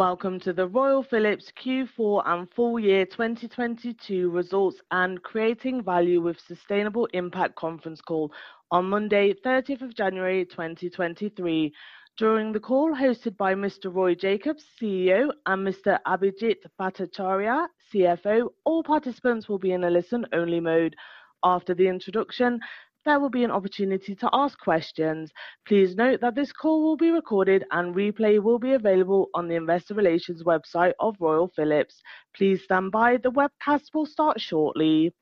Welcome to the Royal Philips Q4 and Full Year 2022 Results and Creating Value with Sustainable Impact Conference Call on Monday, 13th of January, 2023. During the call hosted by Mr. Roy Jakobs, CEO, and Mr. Abhijit Bhattacharya, CFO, all participants will be in a listen-only mode. After the introduction, there will be an opportunity to ask questions. Please note that this call will be recorded and replay will be available on the investor relations website of Royal Philips. Please stand by. The webcast will start shortly.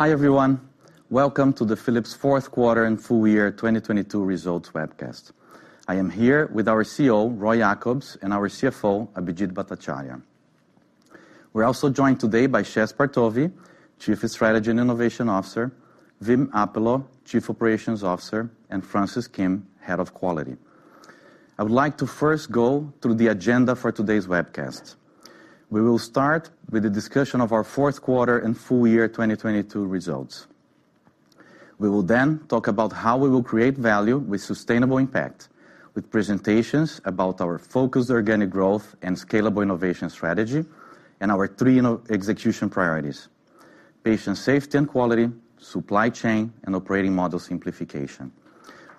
Hi, everyone. Welcome to the Philips fourth quarter and full year 2022 results webcast. I am here with our CEO, Roy Jakobs, and our CFO, Abhijit Bhattacharya. We're also joined today by Shez Partovi, Chief Strategy and Innovation Officer, Wim Appelo, Chief Operations Officer, and Francis Kim, Head of Quality. I would like to first go through the agenda for today's webcast. We will start with a discussion of our fourth quarter and full year 2022 results. We will then talk about how we will create value with sustainable impact, with presentations about our focused organic growth and scalable innovation strategy, and our three, you know, execution priorities: patient safety and quality, supply chain, and operating model simplification.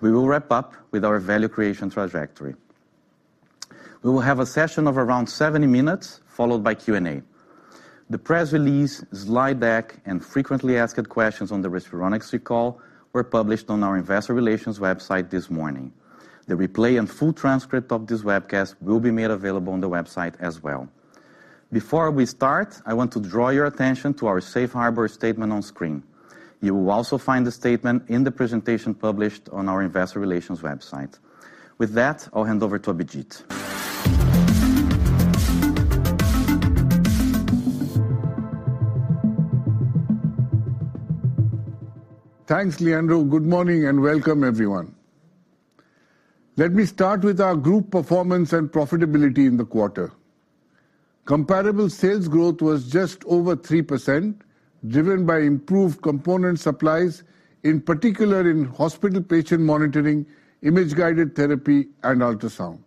We will wrap up with our value creation trajectory. We will have a session of around 70 minutes, followed by Q&A. The press release, slide deck, and frequently asked questions on the Respironics recall were published on our investor relations website this morning. The replay and full transcript of this webcast will be made available on the website as well. Before we start, I want to draw your attention to our safe harbor statement on screen. You will also find the statement in the presentation published on our investor relations website. With that, I'll hand over to Abhijit. Thanks, Leandro. Good morning and welcome, everyone. Let me start with our group performance and profitability in the quarter. Comparable sales growth was just over 3%, driven by improved component supplies, in particular in hospital patient monitoring, Image-Guided Therapy, and ultrasound.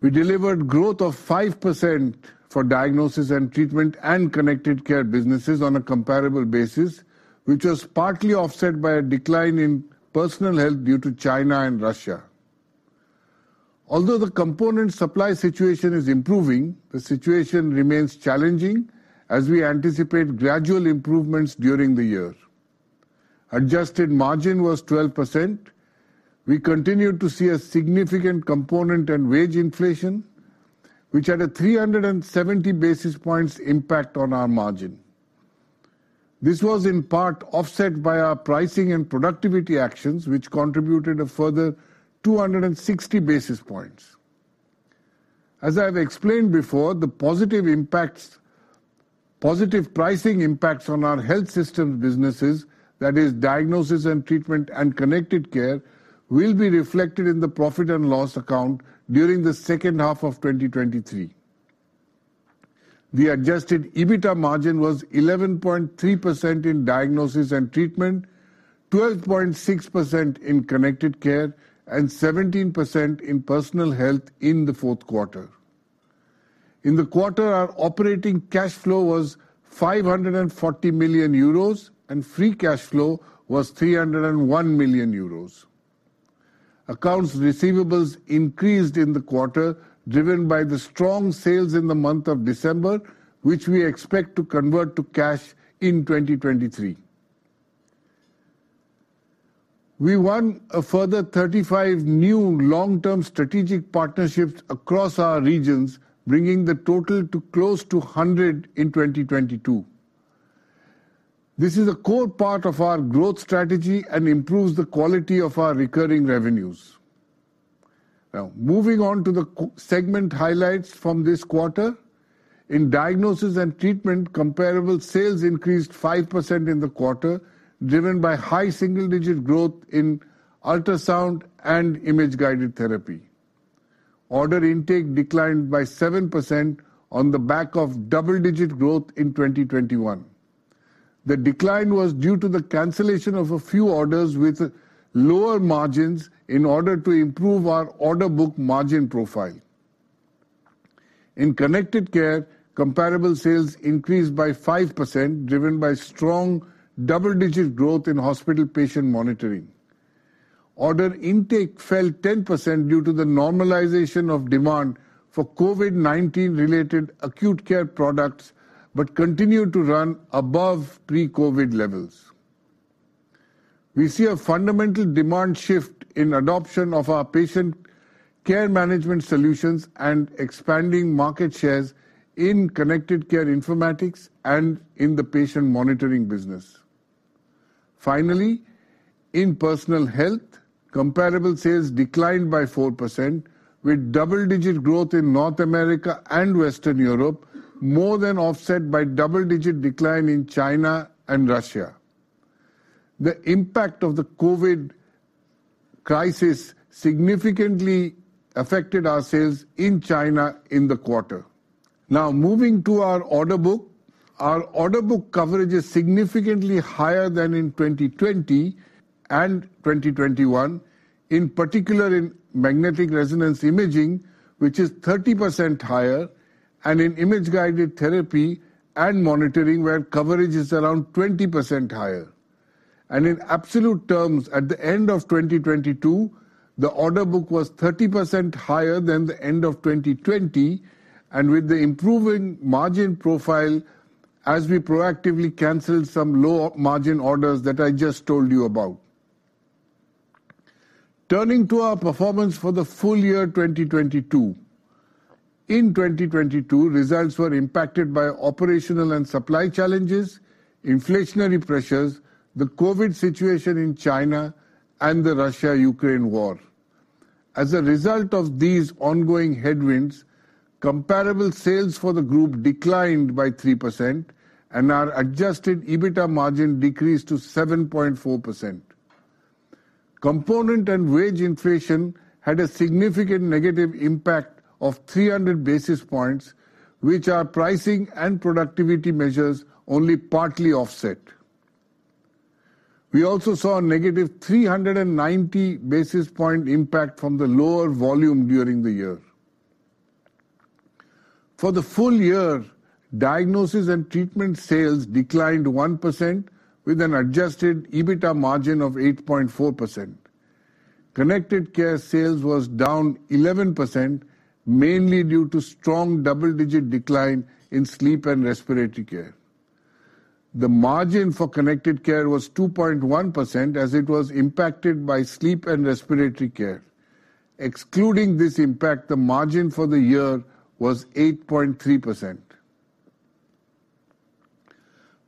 We delivered growth of 5% for Diagnosis and Treatment and Connected Care businesses on a comparable basis, which was partly offset by a decline in Personal Health due to China and Russia. Although the component supply situation is improving, the situation remains challenging as we anticipate gradual improvements during the year. Adjusted margin was 12%. We continued to see a significant component in wage inflation, which had a 370 basis points impact on our margin. This was in part offset by our pricing and productivity actions, which contributed a further 260 basis points. As I've explained before, the positive impacts, positive pricing impacts on our health system businesses, that is diagnosis and treatment and Connected Care, will be reflected in the profit and loss account during the second half of 2023. The adjusted EBITA margin was 11.3% in diagnosis and treatment, 12.6% in Connected Care, and 17% in Personal Health in the fourth quarter. In the quarter, our operating cash flow was 540 million euros and free cash flow was 301 million euros. Accounts receivables increased in the quarter, driven by the strong sales in the month of December, which we expect to convert to cash in 2023. We won a further 35 new long-term strategic partnerships across our regions, bringing the total to close to 100 in 2022. This is a core part of our growth strategy and improves the quality of our recurring revenues. Moving on to the segment highlights from this quarter. In Diagnosis and Treatment, comparable sales increased 5% in the quarter, driven by high single-digit growth in ultrasound and Image-Guided Therapy. Order intake declined by 7% on the back of double-digit growth in 2021. The decline was due to the cancellation of a few orders with lower margins in order to improve our order book margin profile. In Connected Care, comparable sales increased by 5%, driven by strong double-digit growth in hospital patient monitoring. Order intake fell 10% due to the normalization of demand for COVID-19 related acute care products, but continued to run above pre-COVID levels. We see a fundamental demand shift in adoption of our patient care management solutions and expanding market shares in Connected Care informatics and in the patient monitoring business. Finally, in Personal Health, comparable sales declined by 4% with double-digit growth in North America and Western Europe, more than offset by double-digit decline in China and Russia. The impact of the COVID crisis significantly affected our sales in China in the quarter. Moving to our order book. Our order book coverage is significantly higher than in 2020 and 2021, in particular in magnetic resonance imaging, which is 30% higher, and in Image-Guided Therapy and monitoring, where coverage is around 20% higher. In absolute terms, at the end of 2022, the order book was 30% higher than the end of 2020, and with the improving margin profile as we proactively canceled some low margin orders that I just told you about. Turning to our performance for the full year 2022. In 2022, results were impacted by operational and supply challenges, inflationary pressures, the COVID situation in China, and the Russia-Ukraine war. As a result of these ongoing headwinds, comparable sales for the group declined by 3% and our adjusted EBITDA margin decreased to 7.4%. Component and wage inflation had a significant negative impact of 300 basis points, which our pricing and productivity measures only partly offset. We also saw a negative 390 basis point impact from the lower volume during the year. For the full year, diagnosis and treatment sales declined 1% with an adjusted EBITDA margin of 8.4%. Connected Care sales was down 11%, mainly due to strong double-digit decline in Sleep & Respiratory Care. The margin for Connected Care was 2.1% as it was impacted by Sleep & Respiratory Care. Excluding this impact, the margin for the year was 8.3%.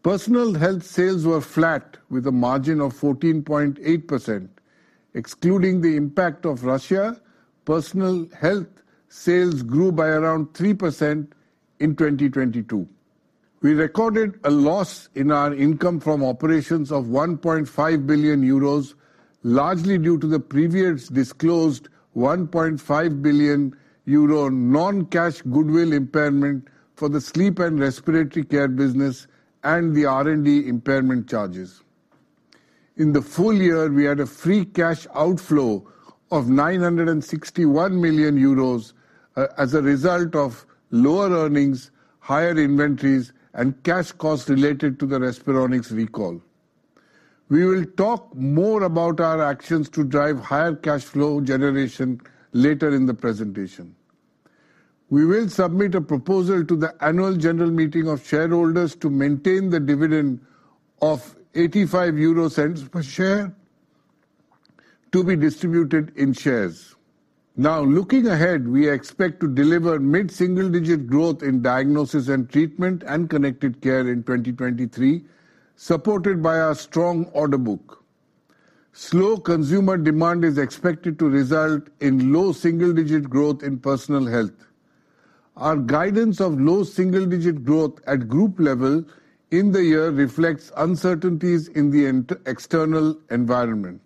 Personal Health sales were flat with a margin of 14.8%. Excluding the impact of Russia, Personal Health sales grew by around 3% in 2022. We recorded a loss in our income from operations of 1.5 billion euros, largely due to the previous disclosed 1.5 billion euro non-cash goodwill impairment for the Sleep & Respiratory Care business and the R&D impairment charges. In the full year, we had a free cash outflow of 961 million euros, as a result of lower earnings, higher inventories, and cash costs related to the Respironics recall. We will talk more about our actions to drive higher cash flow generation later in the presentation. We will submit a proposal to the annual general meeting of shareholders to maintain the dividend of 0.85 per share to be distributed in shares. Looking ahead, we expect to deliver mid-single-digit growth in diagnosis and treatment and Connected Care in 2023, supported by our strong order book. Slow consumer demand is expected to result in low single-digit growth in Personal Health. Our guidance of low single-digit growth at group level in the year reflects uncertainties in the external environment.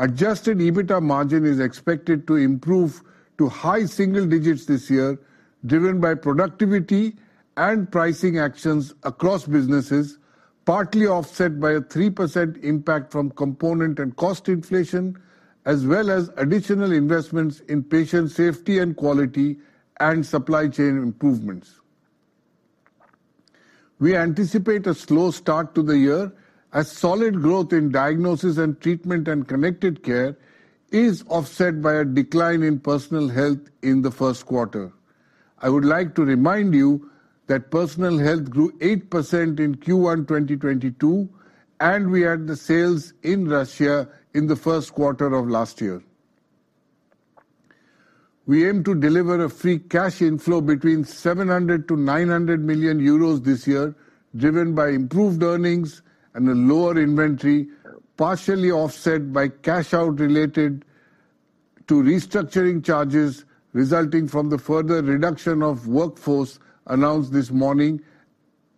Adjusted EBITDA margin is expected to improve to high single digits this year, driven by productivity and pricing actions across businesses, partly offset by a 3% impact from component and cost inflation, as well as additional investments in patient safety and quality and supply chain improvements. We anticipate a slow start to the year as solid growth in diagnosis and treatment and Connected Care is offset by a decline in Personal Health in the first quarter. I would like to remind you that Personal Health grew 8% in Q1 2022, and we had the sales in Russia in the first quarter of last year. We aim to deliver a free cash inflow between 700 million-900 million euros this year, driven by improved earnings and a lower inventory, partially offset by cash out related to restructuring charges resulting from the further reduction of workforce announced this morning,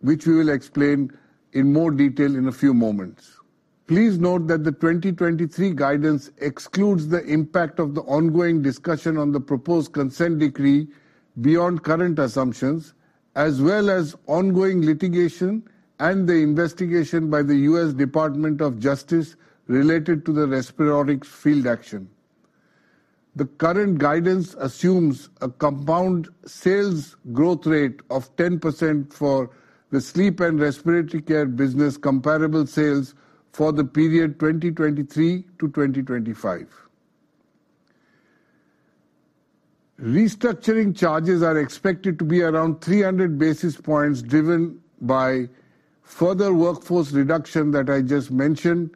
which we will explain in more detail in a few moments. Please note that the 2023 guidance excludes the impact of the ongoing discussion on the proposed consent decree beyond current assumptions, as well as ongoing litigation and the investigation by the U.S. Department of Justice related to the Respironics field action. The current guidance assumes a compound sales growth rate of 10% for the Sleep & Respiratory Care business comparable sales for the period 2023-2025. Restructuring charges are expected to be around 300 basis points driven by further workforce reduction that I just mentioned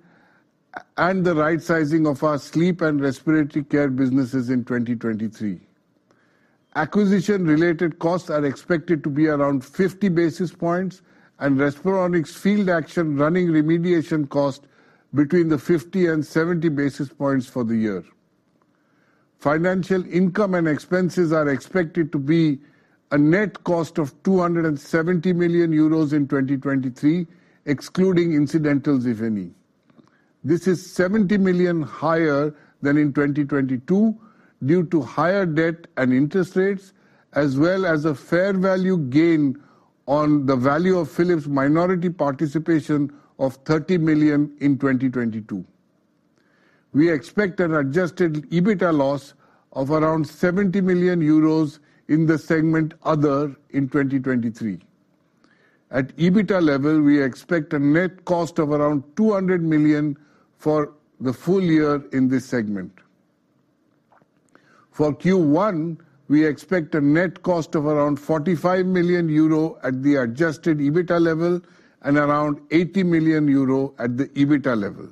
and the right sizing of our Sleep & Respiratory Care businesses in 2023. Acquisition-related costs are expected to be around 50 basis points and Respironics field action running remediation cost between 50 and 70 basis points for the year. Financial income and expenses are expected to be a net cost of 270 million euros in 2023, excluding incidentals, if any. This is 70 million higher than in 2022 due to higher debt and interest rates, as well as a fair value gain on the value of Philips minority participation of 30 million in 2022. We expect an adjusted EBITA loss of around 70 million euros in the segment other in 2023. At EBITA level, we expect a net cost of around 200 million for the full year in this segment. For Q1, we expect a net cost of around 45 million euro at the adjusted EBITA level and around 80 million euro at the EBITA level.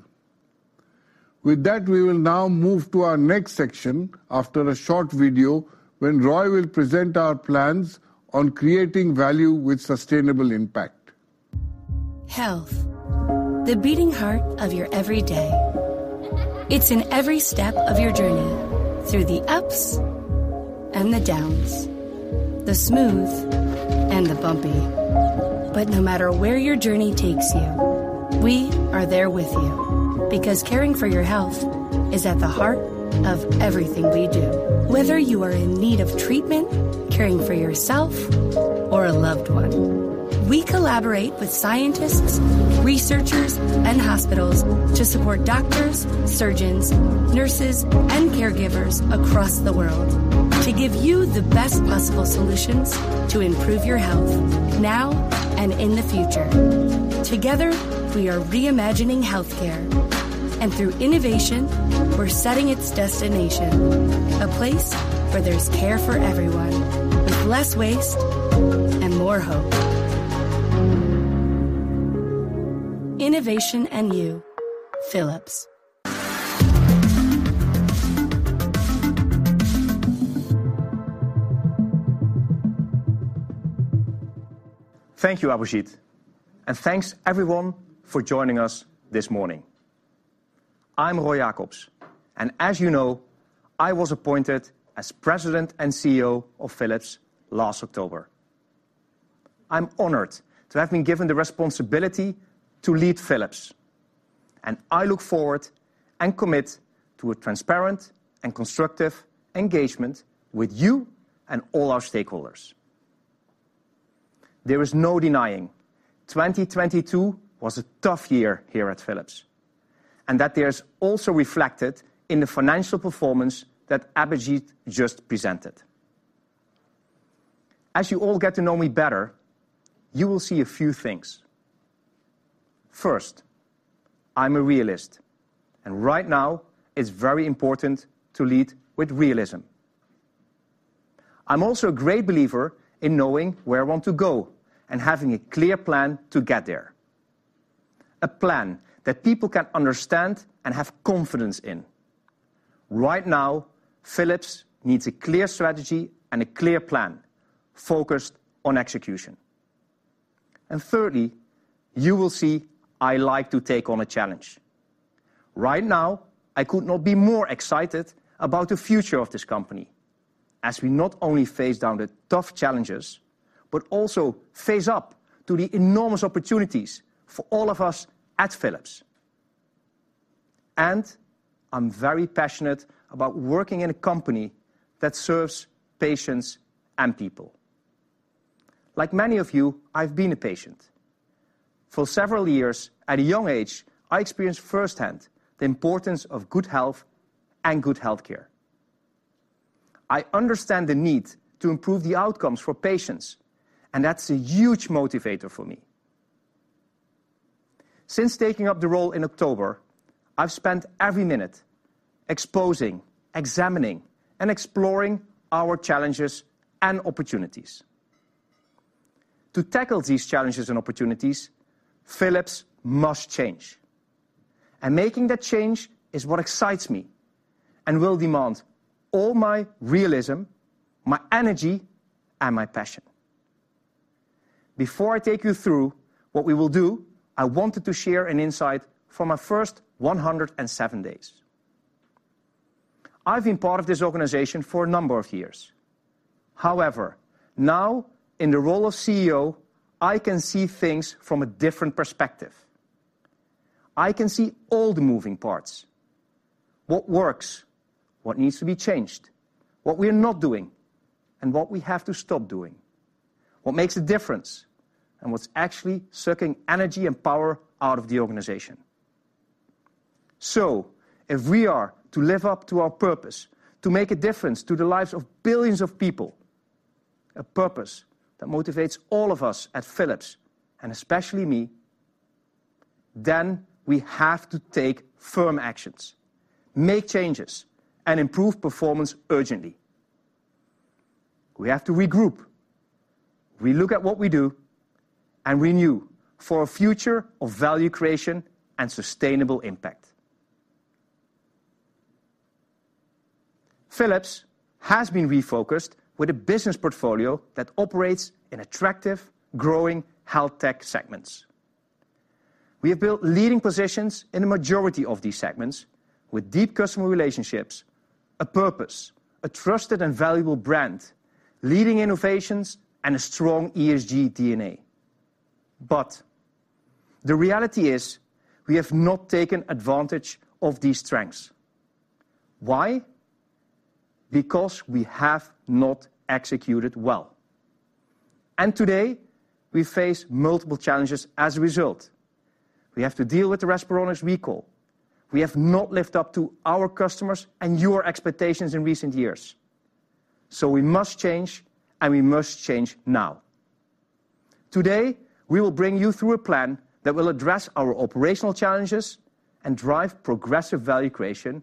We will now move to our next section after a short video when Roy will present our plans on creating value with sustainable impact. Health, the beating heart of your every day. It's in every step of your journey through the ups and the downs, the smooth and the bumpy. No matter where your journey takes you, we are there with you because caring for your health is at the heart of everything we do. Whether you are in need of treatment, caring for yourself or a loved one, we collaborate with scientists, researchers, and hospitals to support doctors, surgeons, nurses, and caregivers across the world to give you the best possible solutions to improve your health now and in the future. Together, we are reimagining healthcare, and through innovation, we're setting its destination. A place where there's care for everyone with less waste and more hope. Innovation and you. Philips. Thank you, Abhijit, and thanks everyone for joining us this morning. I'm Roy Jakobs, and as you know, I was appointed as President and CEO of Philips last October. I'm honored to have been given the responsibility to lead Philips, and I look forward and commit to a transparent and constructive engagement with you and all our stakeholders. There is no denying 2022 was a tough year here at Philips, and that is also reflected in the financial performance that Abhijit just presented. As you all get to know me better, you will see a few things. First, I'm a realist, and right now it's very important to lead with realism. I'm also a great believer in knowing where I want to go and having a clear plan to get there. A plan that people can understand and have confidence in. Right now, Philips needs a clear strategy and a clear plan focused on execution. Thirdly, you will see I like to take on a challenge. Right now, I could not be more excited about the future of this company as we not only face down the tough challenges, but also face up to the enormous opportunities for all of us at Philips. I'm very passionate about working in a company that serves patients and people. Like many of you, I've been a patient. For several years at a young age, I experienced firsthand the importance of good health and good healthcare. I understand the need to improve the outcomes for patients, and that's a huge motivator for me. Since taking up the role in October, I've spent every minute exposing, examining, and exploring our challenges and opportunities. To tackle these challenges and opportunities, Philips must change. Making that change is what excites me and will demand all my realism, my energy, and my passion. Before I take you through what we will do, I wanted to share an insight from my first 107 days. I've been part of this organization for a number of years. Now in the role of CEO, I can see things from a different perspective. I can see all the moving parts, what works, what needs to be changed, what we are not doing, and what we have to stop doing, what makes a difference, and what's actually sucking energy and power out of the organization. If we are to live up to our purpose, to make a difference to the lives of billions of people, a purpose that motivates all of us at Philips and especially me, then we have to take firm actions, make changes, and improve performance urgently. We have to regroup, relook at what we do, and renew for a future of value creation and sustainable impact. Philips has been refocused with a business portfolio that operates in attractive, growing health tech segments. We have built leading positions in the majority of these segments with deep customer relationships, a purpose, a trusted and valuable brand, leading innovations, and a strong ESG DNA. The reality is we have not taken advantage of these strengths. Why? We have not executed well. Today, we face multiple challenges as a result. We have to deal with the Respironics recall. We have not lived up to our customers' and your expectations in recent years. We must change, and we must change now. Today, we will bring you through a plan that will address our operational challenges and drive progressive value creation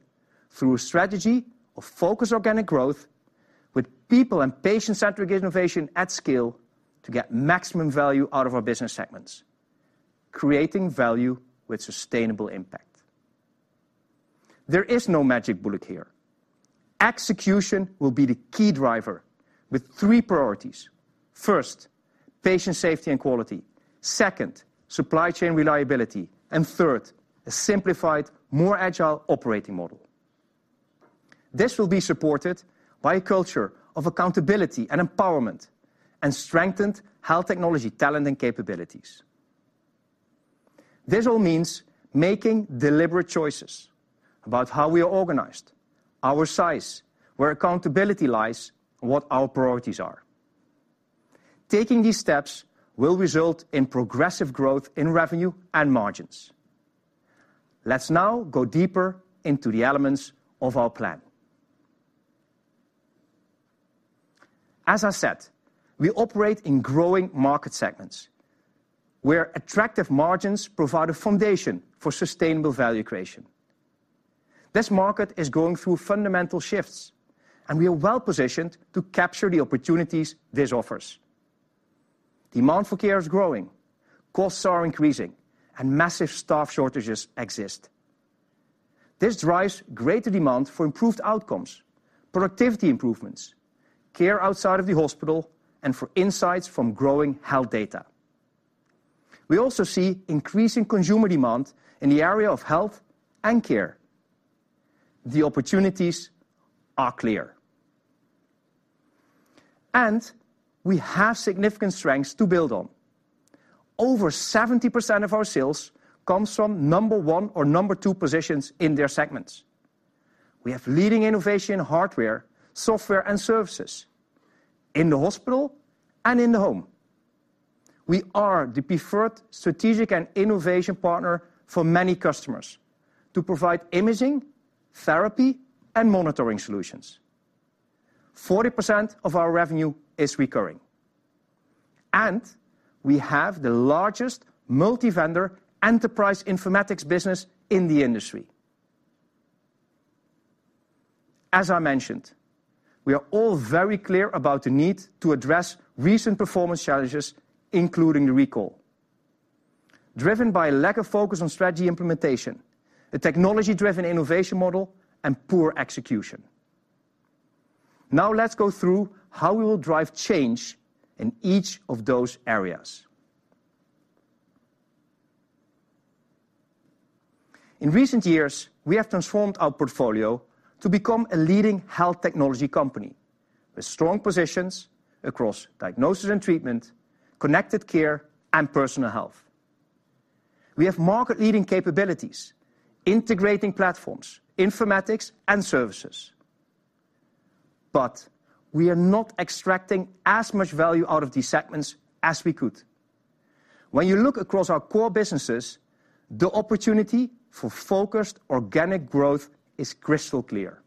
through a strategy of focused organic growth with people and patient-centric innovation at scale to get maximum value out of our business segments, creating value with sustainable impact. There is no magic bullet here. Execution will be the key driver with three priorities. First, Patient Safety and Quality. Second, Supply Chain Reliability. Third, a simplified, more agile operating model. This will be supported by a culture of accountability and empowerment and strengthened health technology, talent, and capabilities. This all means making deliberate choices about how we are organized, our size, where accountability lies, and what our priorities are. Taking these steps will result in progressive growth in revenue and margins. Let's now go deeper into the elements of our plan. As I said, we operate in growing market segments where attractive margins provide a foundation for sustainable value creation. This market is going through fundamental shifts. We are well-positioned to capture the opportunities this offers. Demand for care is growing, costs are increasing. Massive staff shortages exist. This drives greater demand for improved outcomes, productivity improvements, care outside of the hospital, and for insights from growing health data. We also see increasing consumer demand in the area of health and care. The opportunities are clear. We have significant strengths to build on. Over 70% of our sales comes from number one or number two positions in their segments. We have leading innovation in hardware, software, and services in the hospital and in the home. We are the preferred strategic and innovation partner for many customers to provide imaging, therapy, and monitoring solutions. 40% of our revenue is recurring. We have the largest multi-vendor Enterprise Informatics business in the industry. As I mentioned, we are all very clear about the need to address recent performance challenges, including the recall. Driven by a lack of focus on strategy implementation, a technology-driven innovation model, and poor execution. Let's go through how we will drive change in each of those areas. In recent years, we have transformed our portfolio to become a leading health technology company with strong positions across diagnosis and treatment, Connected Care, and Personal Health. We have market-leading capabilities, integrating platforms, informatics, and services. We are not extracting as much value out of these segments as we could. When you look across our core businesses, the opportunity for focused organic growth is crystal clear.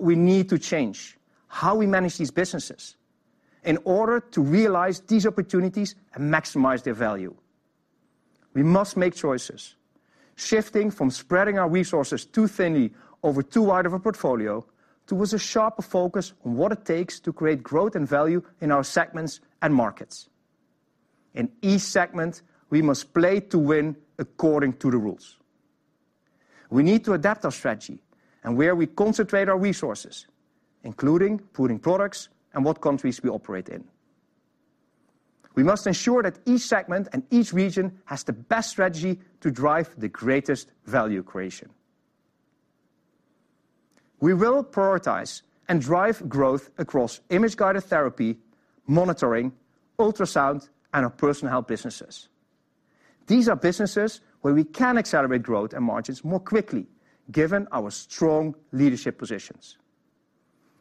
We need to change how we manage these businesses in order to realize these opportunities and maximize their value. We must make choices, shifting from spreading our resources too thinly over too wide of a portfolio towards a sharper focus on what it takes to create growth and value in our segments and markets. In each segment, we must play to win according to the rules. We need to adapt our strategy and where we concentrate our resources, including putting products and what countries we operate in. We must ensure that each segment and each region has the best strategy to drive the greatest value creation. We will prioritize and drive growth across Image-Guided Therapy, monitoring, ultrasound, and our Personal Health businesses. These are businesses where we can accelerate growth and margins more quickly given our strong leadership positions.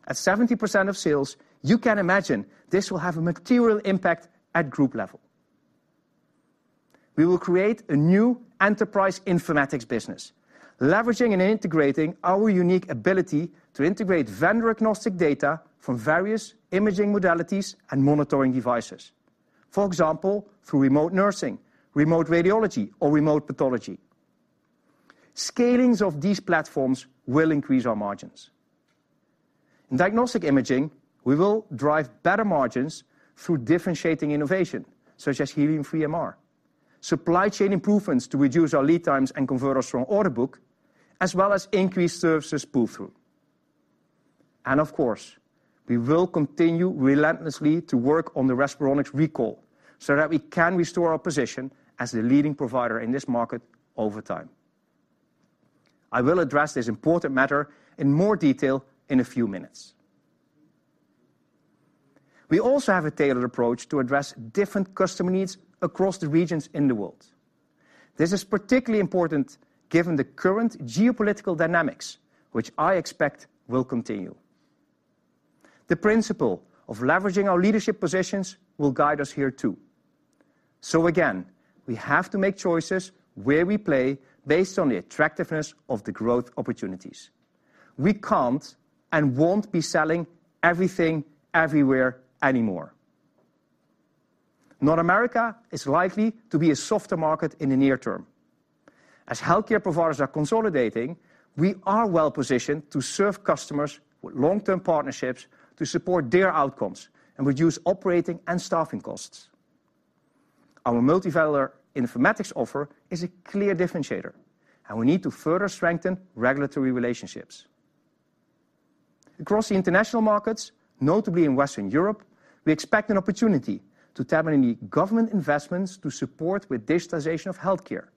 At 70% of sales, you can imagine this will have a material impact at group level. We will create a new Enterprise Informatics business, leveraging and integrating our unique ability to integrate vendor-agnostic data from various imaging modalities and monitoring devices. For example, through remote nursing, remote radiology, or remote pathology. Scalings of these platforms will increase our margins. In diagnostic imaging, we will drive better margins through differentiating innovation, such as helium-free MR. Supply chain improvements to reduce our lead times and convert a strong order book, as well as increased services pull-through. Of course, we will continue relentlessly to work on the Respironics recall so that we can restore our position as the leading provider in this market over time. I will address this important matter in more detail in a few minutes. We also have a tailored approach to address different customer needs across the regions in the world. This is particularly important given the current geopolitical dynamics, which I expect will continue. The principle of leveraging our leadership positions will guide us here too. Again, we have to make choices where we play based on the attractiveness of the growth opportunities. We can't and won't be selling everything everywhere anymore. North America is likely to be a softer market in the near term. As healthcare providers are consolidating, we are well-positioned to serve customers with long-term partnerships to support their outcomes and reduce operating and staffing costs. Our multi-vendor informatics offer is a clear differentiator, and we need to further strengthen regulatory relationships. Across the international markets, notably in Western Europe, we expect an opportunity to tap into government investments to support with digitization of healthcare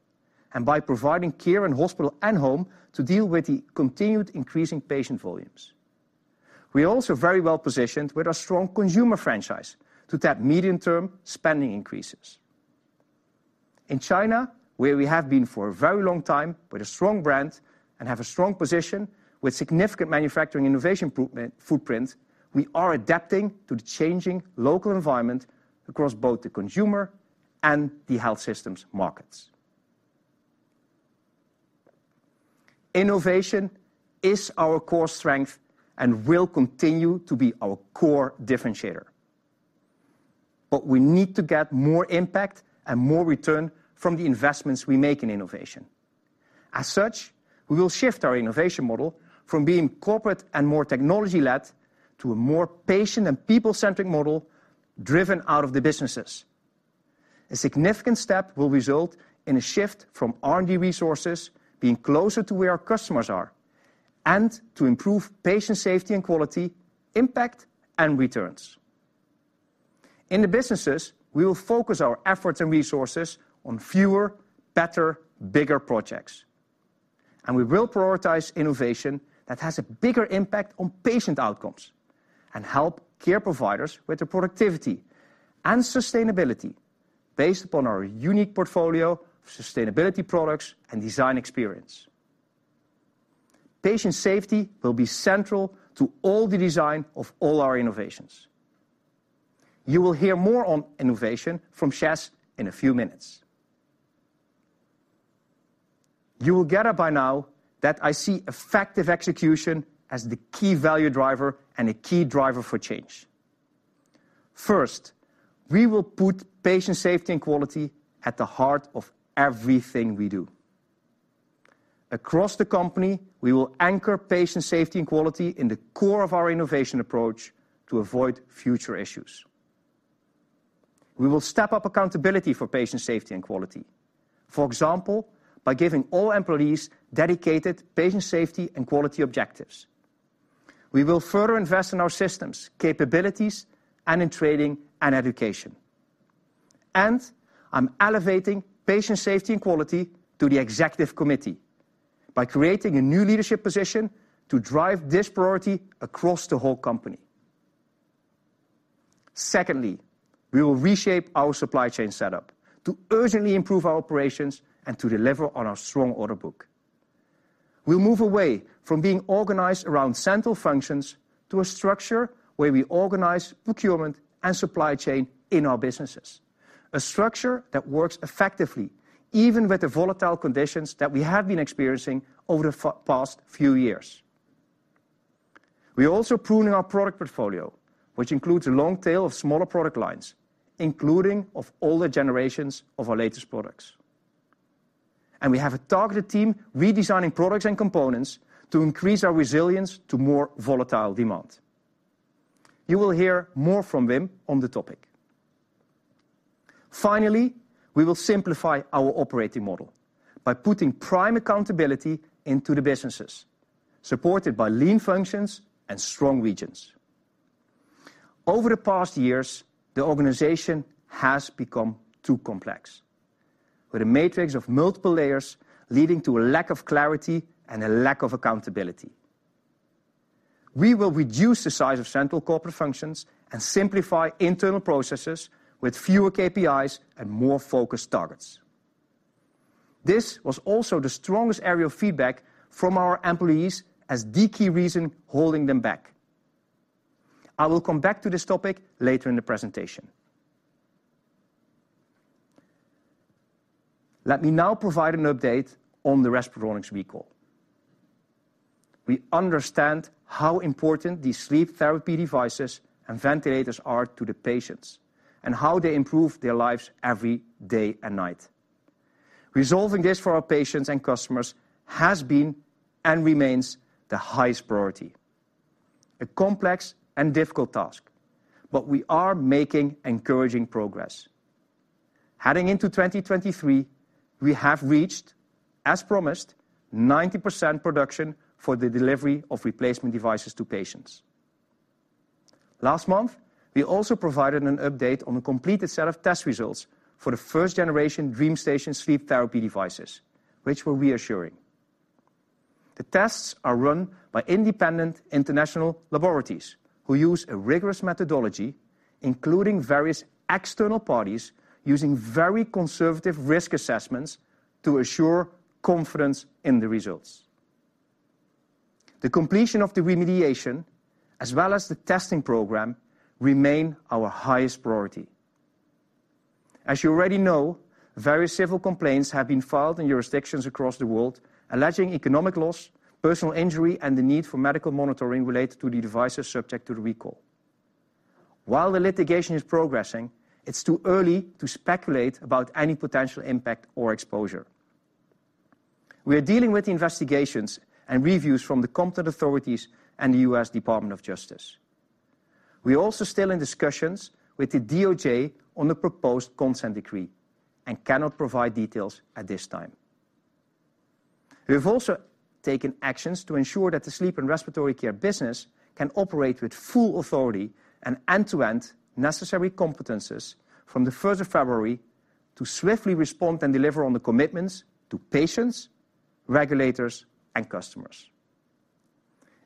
and by providing care in hospital and home to deal with the continued increasing patient volumes. We are also very well-positioned with our strong consumer franchise to tap medium-term spending increases. In China, where we have been for a very long time with a strong brand and have a strong position with significant manufacturing footprint, we are adapting to the changing local environment across both the consumer and the health systems markets. Innovation is our core strength and will continue to be our core differentiator. We need to get more impact and more return from the investments we make in innovation. As such, we will shift our innovation model from being corporate and more technology-led to a more patient and people-centric model driven out of the businesses. A significant step will result in a shift from R&D resources being closer to where our customers are and to improve patient safety and quality, impact, and returns. In the businesses, we will focus our efforts and resources on fewer, better, bigger projects. We will prioritize innovation that has a bigger impact on patient outcomes and help care providers with their productivity and sustainability based upon our unique portfolio of sustainability products and design experience. Patient safety will be central to all the design of all our innovations. You will hear more on innovation from Shez in a few minutes. You will get it by now that I see effective execution as the key value driver and a key driver for change. First, we will put patient safety and quality at the heart of everything we do. Across the company, we will anchor patient safety and quality in the core of our innovation approach to avoid future issues. We will step up accountability for patient safety and quality, for example, by giving all employees dedicated patient safety and quality objectives. We will further invest in our systems, capabilities, and in training and education. I'm elevating patient safety and quality to the executive committee by creating a new leadership position to drive this priority across the whole company. Secondly, we will reshape our supply chain setup to urgently improve our operations and to deliver on our strong order book. We'll move away from being organized around central functions to a structure where we organize procurement and supply chain in our businesses. A structure that works effectively, even with the volatile conditions that we have been experiencing over the past few years. We are also pruning our product portfolio, which includes a long tail of smaller product lines, including of older generations of our latest products. We have a targeted team redesigning products and components to increase our resilience to more volatile demand. You will hear more from Wim on the topic. Finally, we will simplify our operating model by putting prime accountability into the businesses, supported by lean functions and strong regions. Over the past years, the organization has become too complex, with a matrix of multiple layers leading to a lack of clarity and a lack of accountability. We will reduce the size of central corporate functions and simplify internal processes with fewer KPIs and more focused targets. This was also the strongest area of feedback from our employees as the key reason holding them back. I will come back to this topic later in the presentation. Let me now provide an update on the Respironics recall. We understand how important these sleep therapy devices and ventilators are to the patients and how they improve their lives every day and night. Resolving this for our patients and customers has been and remains the highest priority. A complex and difficult task, but we are making encouraging progress. Heading into 2023, we have reached, as promised, 90% production for the delivery of replacement devices to patients. Last month, we also provided an update on a completed set of test results for the first generation DreamStation sleep therapy devices, which were reassuring. The tests are run by independent international laboratories who use a rigorous methodology, including various external parties using very conservative risk assessments to assure confidence in the results. The completion of the remediation, as well as the testing program, remain our highest priority. As you already know, various civil complaints have been filed in jurisdictions across the world alleging economic loss, personal injury, and the need for medical monitoring related to the devices subject to the recall. While the litigation is progressing, it's too early to speculate about any potential impact or exposure. We are dealing with the investigations and reviews from the competent authorities and the U.S. Department of Justice. We are also still in discussions with the DOJ on the proposed consent decree and cannot provide details at this time. We have also taken actions to ensure that the Sleep & Respiratory Care business can operate with full authority and end-to-end necessary competencies from the first of February to swiftly respond and deliver on the commitments to patients, regulators, and customers.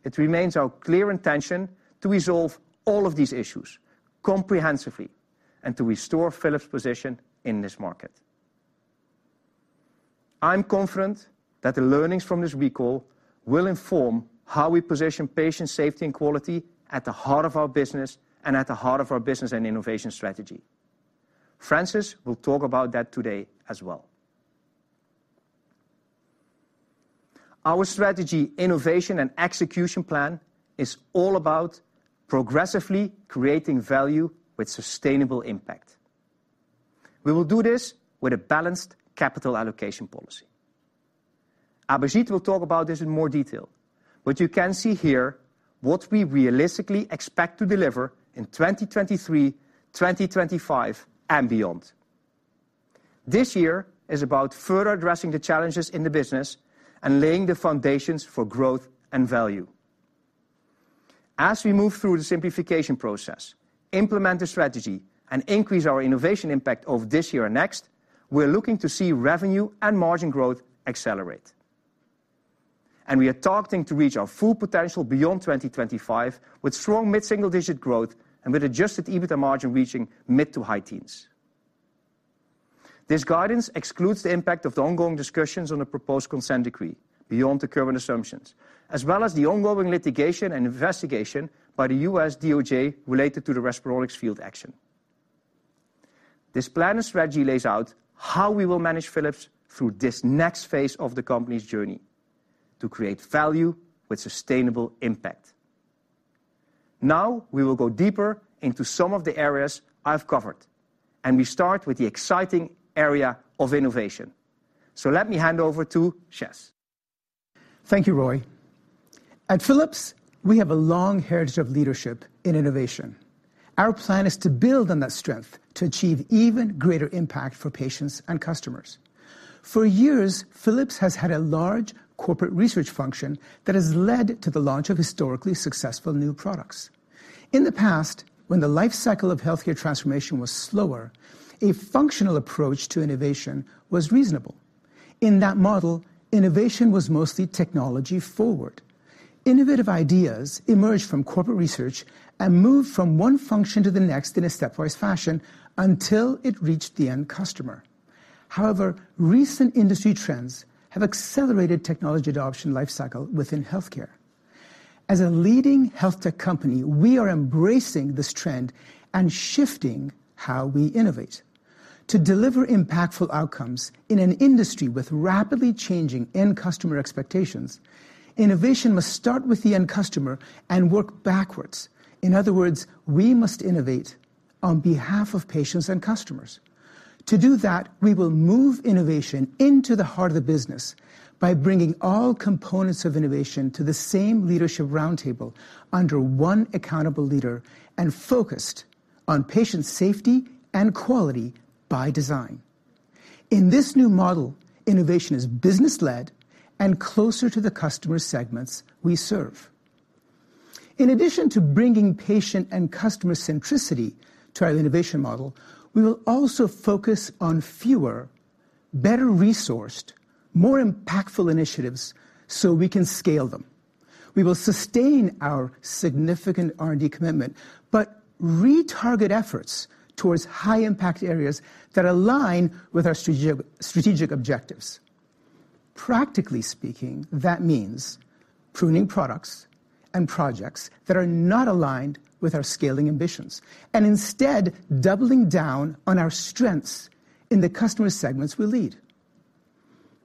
It remains our clear intention to resolve all of these issues comprehensively and to restore Philips position in this market. I'm confident that the learnings from this recall will inform how we position patient safety and quality at the heart of our business and innovation strategy. Francis will talk about that today as well. Our strategy, innovation, and execution plan is all about progressively creating value with sustainable impact. We will do this with a balanced capital allocation policy. Abhijit will talk about this in more detail. You can see here what we realistically expect to deliver in 2023, 2025, and beyond. This year is about further addressing the challenges in the business and laying the foundations for growth and value. As we move through the simplification process, implement the strategy, and increase our innovation impact over this year and next, we're looking to see revenue and margin growth accelerate. We are targeting to reach our full potential beyond 2025 with strong mid-single-digit growth and with adjusted EBITDA margin reaching mid to high teens. This guidance excludes the impact of the ongoing discussions on the proposed consent decree beyond the current assumptions, as well as the ongoing litigation and investigation by the U.S. DOJ related to the Respironics field action. This plan and strategy lays out how we will manage Philips through this next phase of the company's journey to create value with sustainable impact. We will go deeper into some of the areas I've covered, and we start with the exciting area of innovation. Let me hand over to Shez. Thank you, Roy. At Philips, we have a long heritage of leadership in innovation. Our plan is to build on that strength to achieve even greater impact for patients and customers. For years, Philips has had a large corporate research function that has led to the launch of historically successful new products. In the past, when the life cycle of healthcare transformation was slower, a functional approach to innovation was reasonable. In that model, innovation was mostly technology forward. Innovative ideas emerged from corporate research and moved from one function to the next in a stepwise fashion until it reached the end customer. However, recent industry trends have accelerated technology adoption life cycle within healthcare. As a leading health tech company, we are embracing this trend and shifting how we innovate. To deliver impactful outcomes in an industry with rapidly changing end customer expectations, innovation must start with the end customer and work backwards. In other words, we must innovate on behalf of patients and customers. To do that, we will move innovation into the heart of the business by bringing all components of innovation to the same leadership roundtable under one accountable leader and focused on patient safety and quality by design. In this new model, innovation is business-led and closer to the customer segments we serve. In addition to bringing patient and customer centricity to our innovation model, we will also focus on fewer, better resourced, more impactful initiatives so we can scale them. We will sustain our significant R&D commitment, but retarget efforts towards high impact areas that align with our strategic objectives. Practically speaking, that means pruning products and projects that are not aligned with our scaling ambitions, instead doubling down on our strengths in the customer segments we lead.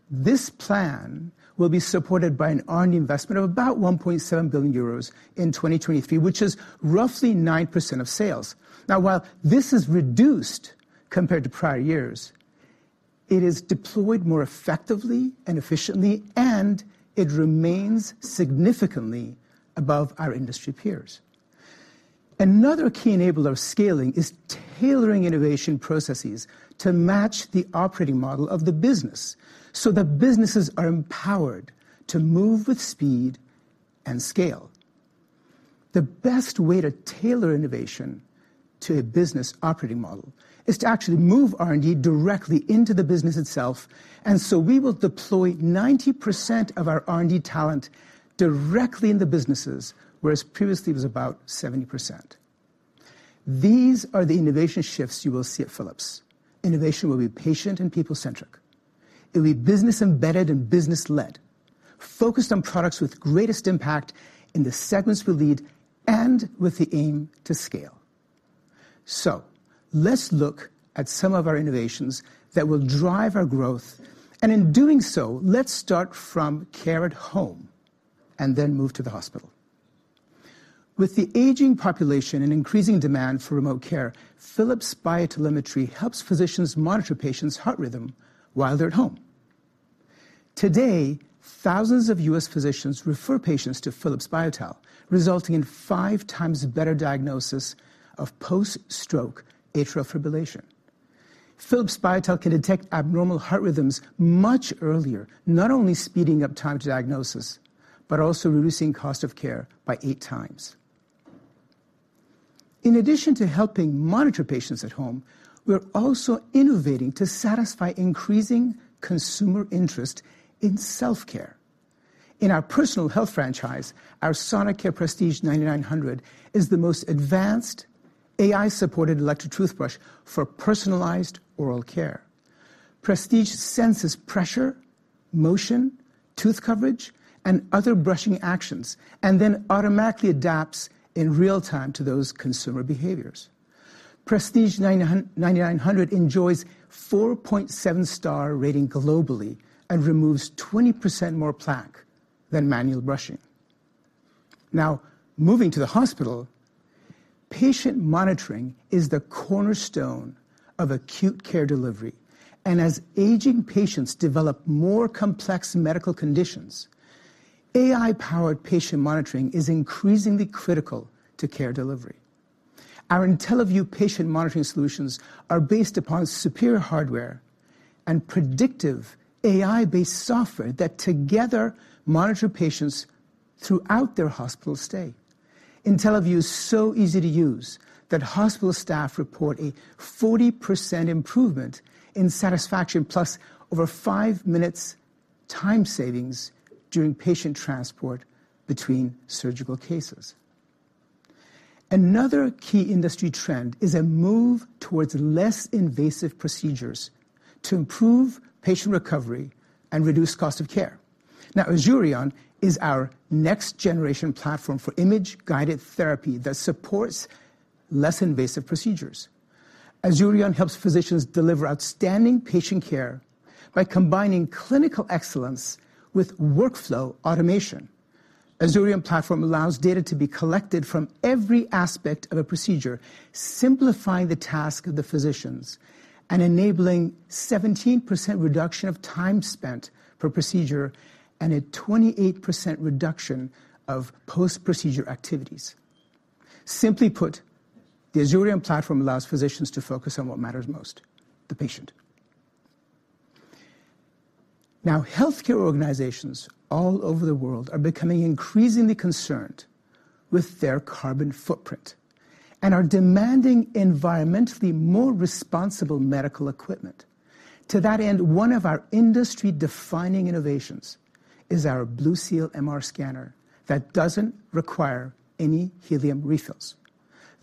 This plan will be supported by an R&D investment of about 1.7 billion euros in 2023, which is roughly 9% of sales. While this is reduced compared to prior years, it is deployed more effectively and efficiently, it remains significantly above our industry peers. Another key enabler of scaling is tailoring innovation processes to match the operating model of the business that businesses are empowered to move with speed and scale. The best way to tailor innovation to a business operating model is to actually move R&D directly into the business itself. We will deploy 90% of our R&D talent directly in the businesses, whereas previously it was about 70%. These are the innovation shifts you will see at Philips. Innovation will be patient and people-centric. It will be business-embedded and business-led, focused on products with greatest impact in the segments we lead and with the aim to scale. Let's look at some of our innovations that will drive our growth, and in doing so, let's start from care at home and then move to the hospital. With the aging population and increasing demand for remote care, Philips BioTelemetry helps physicians monitor patients' heart rhythm while they're at home. Today, thousands of U.S. physicians refer patients to Philips BioTel, resulting in 5x better diagnosis of post-stroke atrial fibrillation. Philips BioTel can detect abnormal heart rhythms much earlier, not only speeding up time to diagnosis, but also reducing cost of care by 8x. In addition to helping monitor patients at home, we're also innovating to satisfy increasing consumer interest in self-care. In our Personal Health franchise, our Sonicare Prestige 9900 is the most advanced AI-supported electric toothbrush for personalized oral care. Prestige senses pressure, motion, tooth coverage, and other brushing actions, and then automatically adapts in real time to those consumer behaviors. Prestige 9900 enjoys 4.7 star rating globally and removes 20% more plaque than manual brushing. Moving to the hospital, patient monitoring is the cornerstone of acute care delivery. As aging patients develop more complex medical conditions, AI-powered patient monitoring is increasingly critical to care delivery. Our IntelliVue patient monitoring solutions are based upon superior hardware and predictive AI-based software that together monitor patients throughout their hospital stay. IntelliVue is so easy to use that hospital staff report a 40% improvement in satisfaction plus over five minutes time savings during patient transport between surgical cases. Another key industry trend is a move towards less invasive procedures to improve patient recovery and reduce cost of care. Azurion is our next generation platform for Image-Guided Therapy that supports less invasive procedures. Azurion helps physicians deliver outstanding patient care by combining clinical excellence with workflow automation. Azurion platform allows data to be collected from every aspect of a procedure, simplifying the task of the physicians and enabling 17% reduction of time spent per procedure and a 28% reduction of post-procedure activities. Simply put, the Azurion platform allows physicians to focus on what matters most, the patient. Healthcare organizations all over the world are becoming increasingly concerned with their carbon footprint and are demanding environmentally more responsible medical equipment. To that end, one of our industry-defining innovations is our BlueSeal MR scanner that doesn't require any helium refills.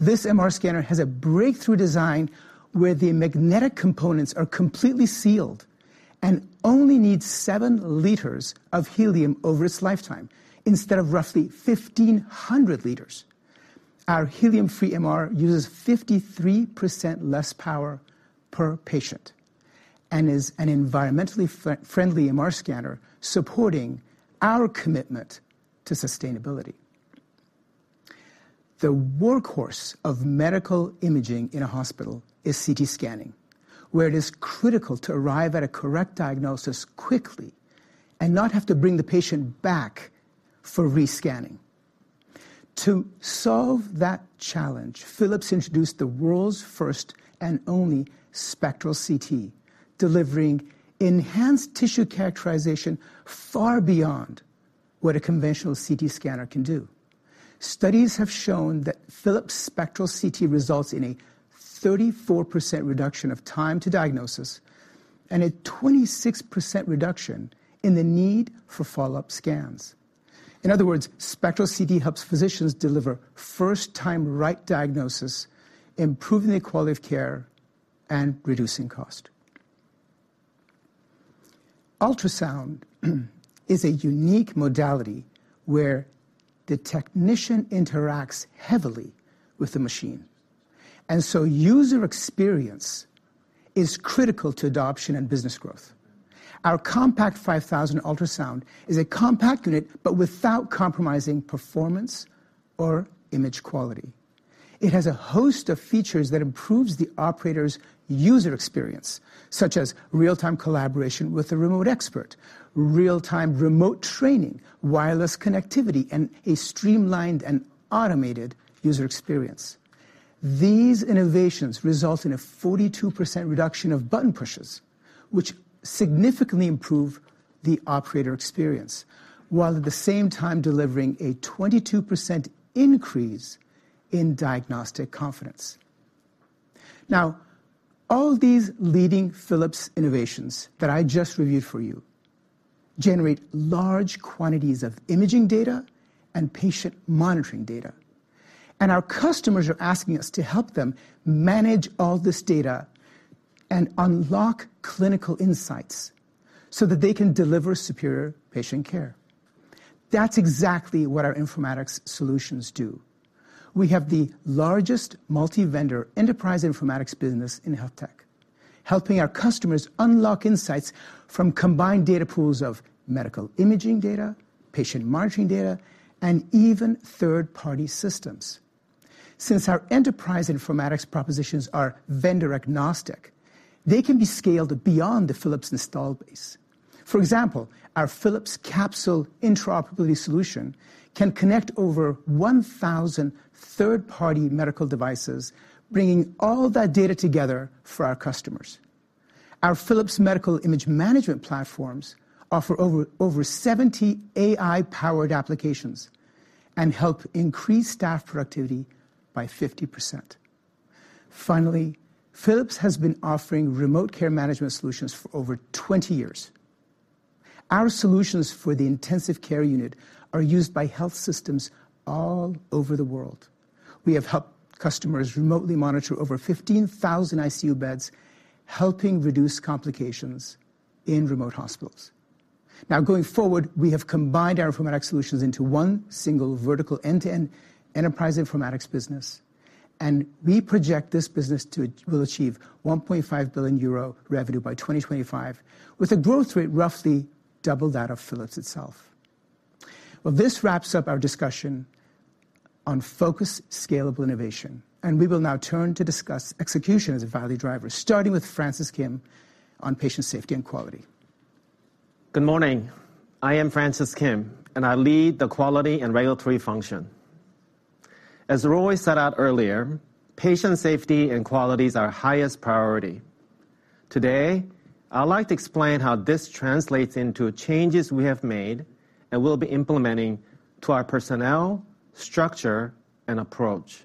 This MR scanner has a breakthrough design where the magnetic components are completely sealed and only needs 7 liters of helium over its lifetime instead of roughly 1,500 liters. Our helium-free MR uses 53% less power per patient and is an environmentally friendly MR scanner supporting our commitment to sustainability. The workhorse of medical imaging in a hospital is CT scanning, where it is critical to arrive at a correct diagnosis quickly and not have to bring the patient back for re-scanning. To solve that challenge, Philips introduced the world's first and only Spectral CT, delivering enhanced tissue characterization far beyond what a conventional CT scanner can do. Studies have shown that Philips Spectral CT results in a 34% reduction of time to diagnosis and a 26% reduction in the need for follow-up scans. In other words, Spectral CT helps physicians deliver first-time right diagnosis, improving the quality of care and reducing cost. Ultrasound is a unique modality where the technician interacts heavily with the machine, and so user experience is critical to adoption and business growth. Our Compact 5000 Ultrasound is a compact unit, but without compromising performance or image quality. It has a host of features that improves the operator's user experience, such as real-time collaboration with a remote expert, real-time remote training, wireless connectivity, and a streamlined and automated user experience. These innovations result in a 42% reduction of button pushes, which significantly improve the operator experience, while at the same time delivering a 22% increase in diagnostic confidence. All these leading Philips innovations that I just reviewed for you generate large quantities of imaging data and patient monitoring data, and our customers are asking us to help them manage all this data and unlock clinical insights so that they can deliver superior patient care. That's exactly what our informatics solutions do. We have the largest multi-vendor Enterprise Informatics business in health tech, helping our customers unlock insights from combined data pools of medical imaging data, patient monitoring data, and even third-party systems. Since our Enterprise Informatics propositions are vendor-agnostic, they can be scaled beyond the Philips installed base. For example, our Philips Capsule interoperability solution can connect over 1,000 third-party medical devices, bringing all that data together for our customers. Our Philips Medical Image Management platforms offer over 70 AI-powered applications and help increase staff productivity by 50%. Finally, Philips has been offering remote care management solutions for over 20 years. Our solutions for the intensive care unit are used by health systems all over the world. We have helped customers remotely monitor over 15,000 ICU beds, helping reduce complications in remote hospitals. Going forward, we have combined our Informatics solutions into one single vertical end-to-end Enterprise Informatics business, and we project this business will achieve 1.5 billion euro revenue by 2025, with a growth rate roughly double that of Philips itself. Well, this wraps up our discussion on focused, scalable innovation, and we will now turn to discuss execution as a value driver, starting with Francis Kim on patient safety and quality. Good morning. I am Francis Kim, I lead the quality and regulatory function. As Roy set out earlier, patient safety and quality is our highest priority. Today, I would like to explain how this translates into changes we have made and will be implementing to our personnel, structure, and approach.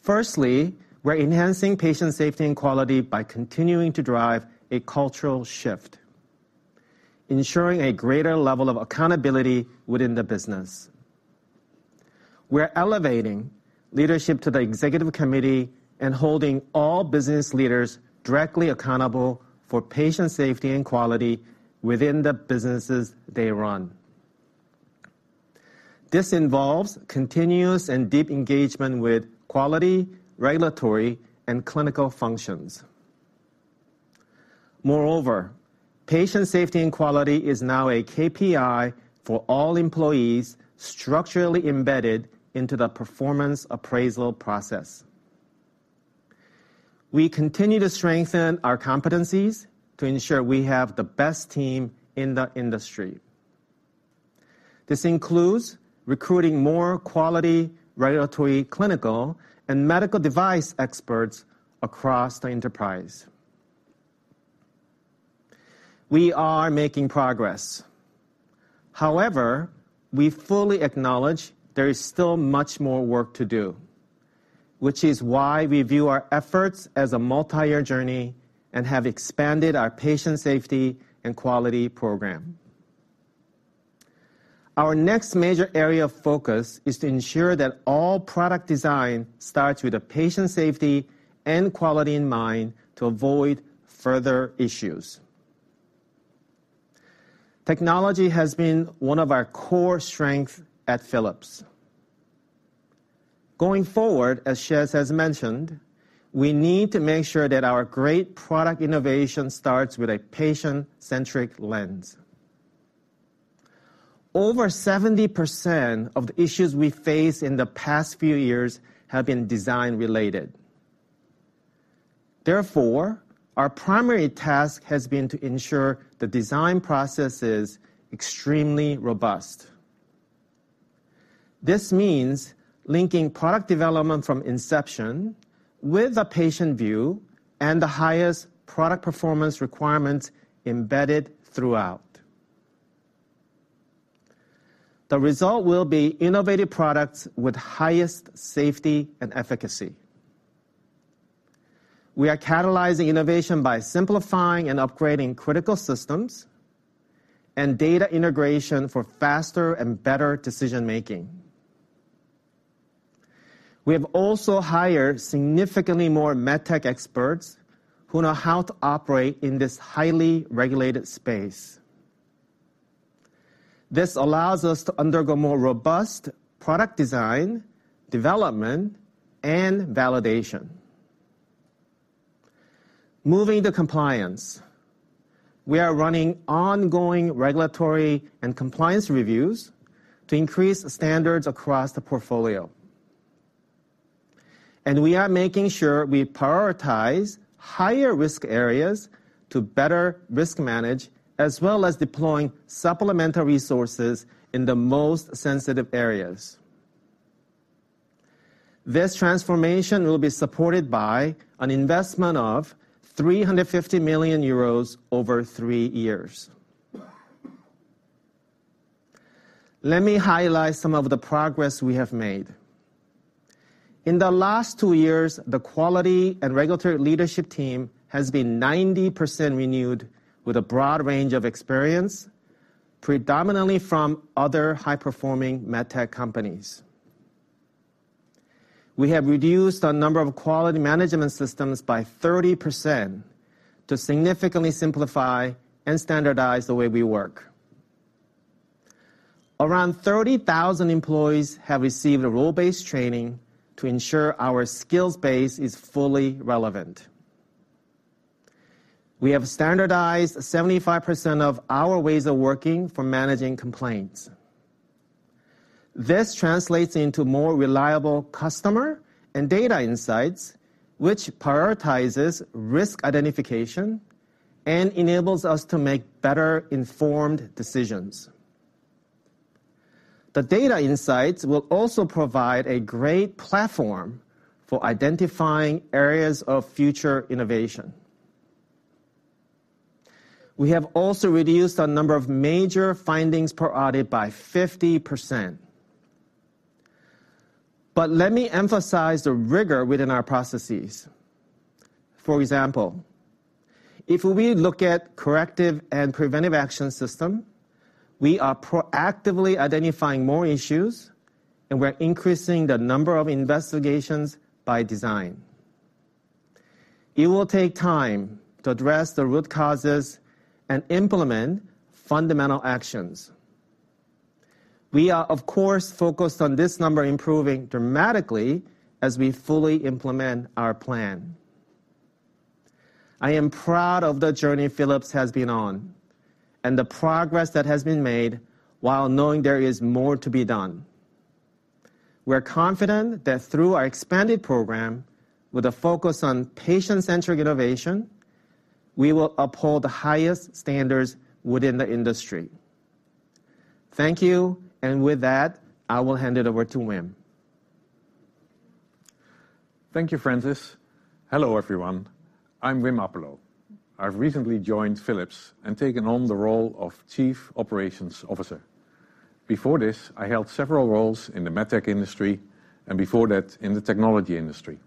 Firstly, we're enhancing patient safety and quality by continuing to drive a cultural shift, ensuring a greater level of accountability within the business. We're elevating leadership to the executive committee and holding all business leaders directly accountable for patient safety and quality within the businesses they run. This involves continuous and deep engagement with quality, regulatory, and clinical functions. Moreover, patient safety and quality is now a KPI for all employees structurally embedded into the performance appraisal process. We continue to strengthen our competencies to ensure we have the best team in the industry. This includes recruiting more quality, regulatory, clinical, and medical device experts across the enterprise. We are making progress. We fully acknowledge there is still much more work to do, which is why we view our efforts as a multi-year journey and have expanded our patient safety and quality program. Our next major area of focus is to ensure that all product design starts with the patient safety and quality in mind to avoid further issues. Technology has been one of our core strengths at Philips. Going forward, as Shez has mentioned, we need to make sure that our great product innovation starts with a patient-centric lens. Over 70% of the issues we faced in the past few years have been design related. Our primary task has been to ensure the design process is extremely robust. This means linking product development from inception with a patient view and the highest product performance requirements embedded throughout. The result will be innovative products with highest safety and efficacy. We are catalyzing innovation by simplifying and upgrading critical systems and data integration for faster and better decision-making. We have also hired significantly more MedTech experts who know how to operate in this highly regulated space. This allows us to undergo more robust product design, development, and validation. Moving to compliance, we are running ongoing regulatory and compliance reviews to increase the standards across the portfolio. We are making sure we prioritize higher risk areas to better risk manage, as well as deploying supplemental resources in the most sensitive areas. This transformation will be supported by an investment of 350 million euros over three years. Let me highlight some of the progress we have made. In the last two years, the quality and regulatory leadership team has been 90% renewed with a broad range of experience, predominantly from other high-performing MedTech companies. We have reduced the number of quality management systems by 30% to significantly simplify and standardize the way we work. Around 30,000 employees have received a role-based training to ensure our skills base is fully relevant. We have standardized 75% of our ways of working for managing complaints. This translates into more reliable customer and data insights, which prioritizes risk identification and enables us to make better-informed decisions. The data insights will also provide a great platform for identifying areas of future innovation. We have also reduced the number of major findings per audit by 50%. Let me emphasize the rigor within our processes. For example, if we look at corrective and preventive action system, we are proactively identifying more issues, and we're increasing the number of investigations by design. It will take time to address the root causes and implement fundamental actions. We are, of course, focused on this number improving dramatically as we fully implement our plan. I am proud of the journey Philips has been on and the progress that has been made while knowing there is more to be done. We're confident that through our expanded program, with a focus on patient-centric innovation, we will uphold the highest standards within the industry. Thank you. With that, I will hand it over to Wim. Thank you, Francis. Hello, everyone. I'm Wim Appelo. I've recently joined Philips and taken on the role of Chief Operations Officer. Before this, I held several roles in the MedTech industry, and before that, in the technology industry.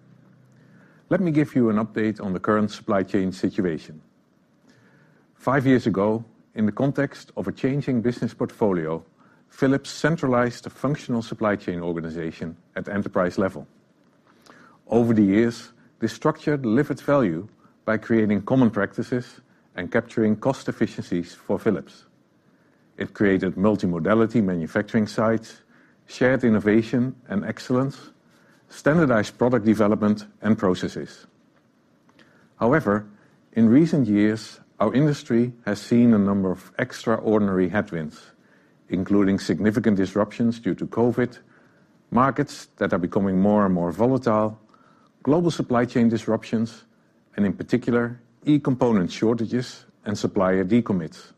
Let me give you an update on the current supply chain situation. Five years ago, in the context of a changing business portfolio, Philips centralized the functional supply chain organization at the enterprise level. Over the years, this structure delivered value by creating common practices and capturing cost efficiencies for Philips. It created multimodality manufacturing sites, shared innovation and excellence, standardized product development and processes. In recent years, our industry has seen a number of extraordinary headwinds, including significant disruptions due to COVID, markets that are becoming more and more volatile, global supply chain disruptions, and in particular, e-component shortages and supplier decommits.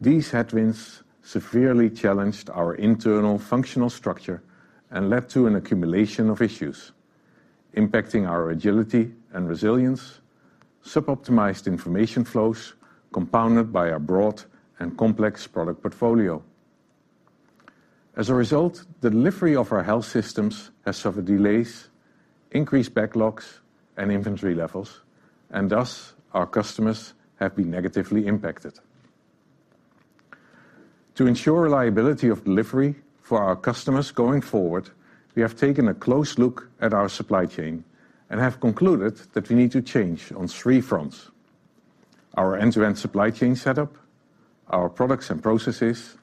These headwinds severely challenged our internal functional structure and led to an accumulation of issues impacting our agility and resilience, sub-optimized information flows, compounded by our broad and complex product portfolio. As a result, the delivery of our health systems has suffered delays, increased backlogs, and inventory levels, and thus our customers have been negatively impacted. To ensure reliability of delivery for our customers going forward, we have taken a close look at our supply chain and have concluded that we need to change on three fronts. Our end-to-end supply chain setup, our products and processes,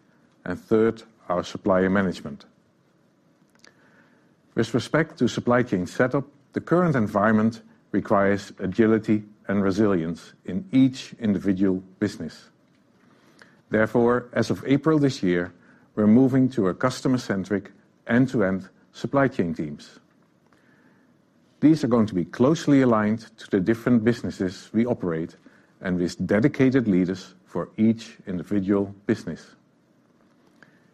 and third, our supplier management. With respect to supply chain setup, the current environment requires agility and resilience in each individual business. Therefore, as of April this year, we're moving to a customer-centric, end-to-end supply chain teams. These are going to be closely aligned to the different businesses we operate and with dedicated leaders for each individual business.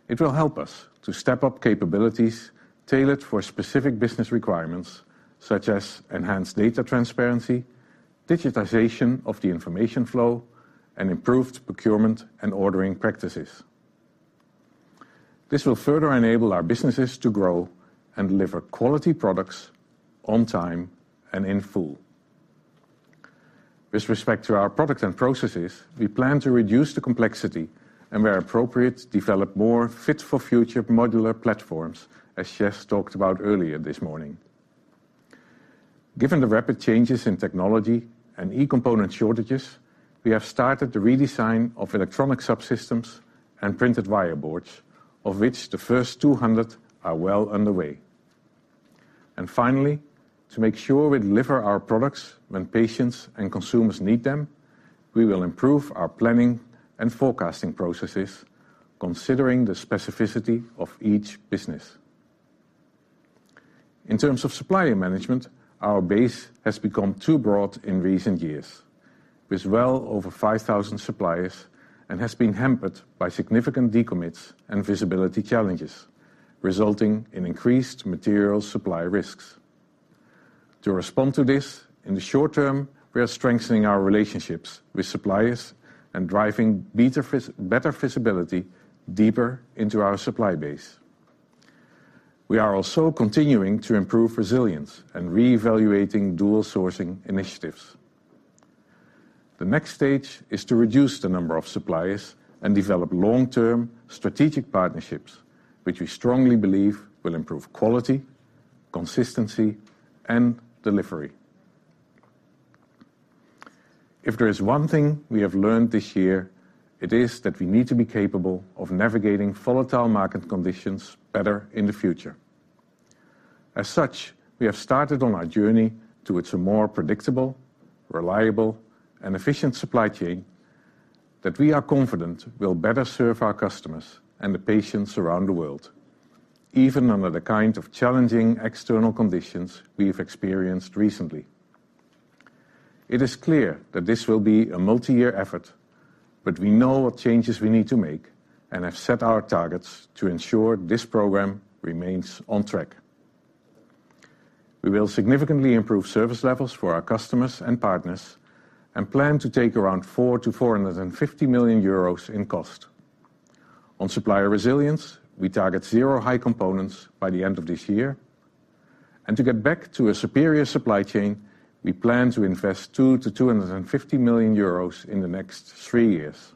It will help us to step up capabilities tailored for specific business requirements, such as enhanced data transparency, digitization of the information flow, and improved procurement and ordering practices. This will further enable our businesses to grow and deliver quality products on time and in full. With respect to our products and processes, we plan to reduce the complexity and, where appropriate, develop more fit-for-future modular platforms, as Shez talked about earlier this morning. Given the rapid changes in technology and e-component shortages, we have started the redesign of electronic subsystems and printed wiring boards, of which the first 200 are well underway. Finally, to make sure we deliver our products when patients and consumers need them, we will improve our planning and forecasting processes considering the specificity of each business. In terms of supplier management, our base has become too broad in recent years with well over 5,000 suppliers and has been hampered by significant decommits and visibility challenges, resulting in increased material supply risks. To respond to this, in the short term, we are strengthening our relationships with suppliers and driving better visibility deeper into our supply base. We are also continuing to improve resilience and reevaluating dual sourcing initiatives. The next stage is to reduce the number of suppliers and develop long-term strategic partnerships which we strongly believe will improve quality, consistency, and delivery. If there is one thing we have learned this year, it is that we need to be capable of navigating volatile market conditions better in the future. As such, we have started on our journey towards a more predictable, reliable, and efficient supply chain that we are confident will better serve our customers and the patients around the world, even under the kind of challenging external conditions we've experienced recently. It is clear that this will be a multi-year effort, but we know what changes we need to make and have set our targets to ensure this program remains on track. We will significantly improve service levels for our customers and partners, and plan to take around 400 million-450 million euros in cost. On supplier resilience, we target zero high components by the end of this year. To get back to a superior supply chain, we plan to invest 200 million-250 million euros in the next three years.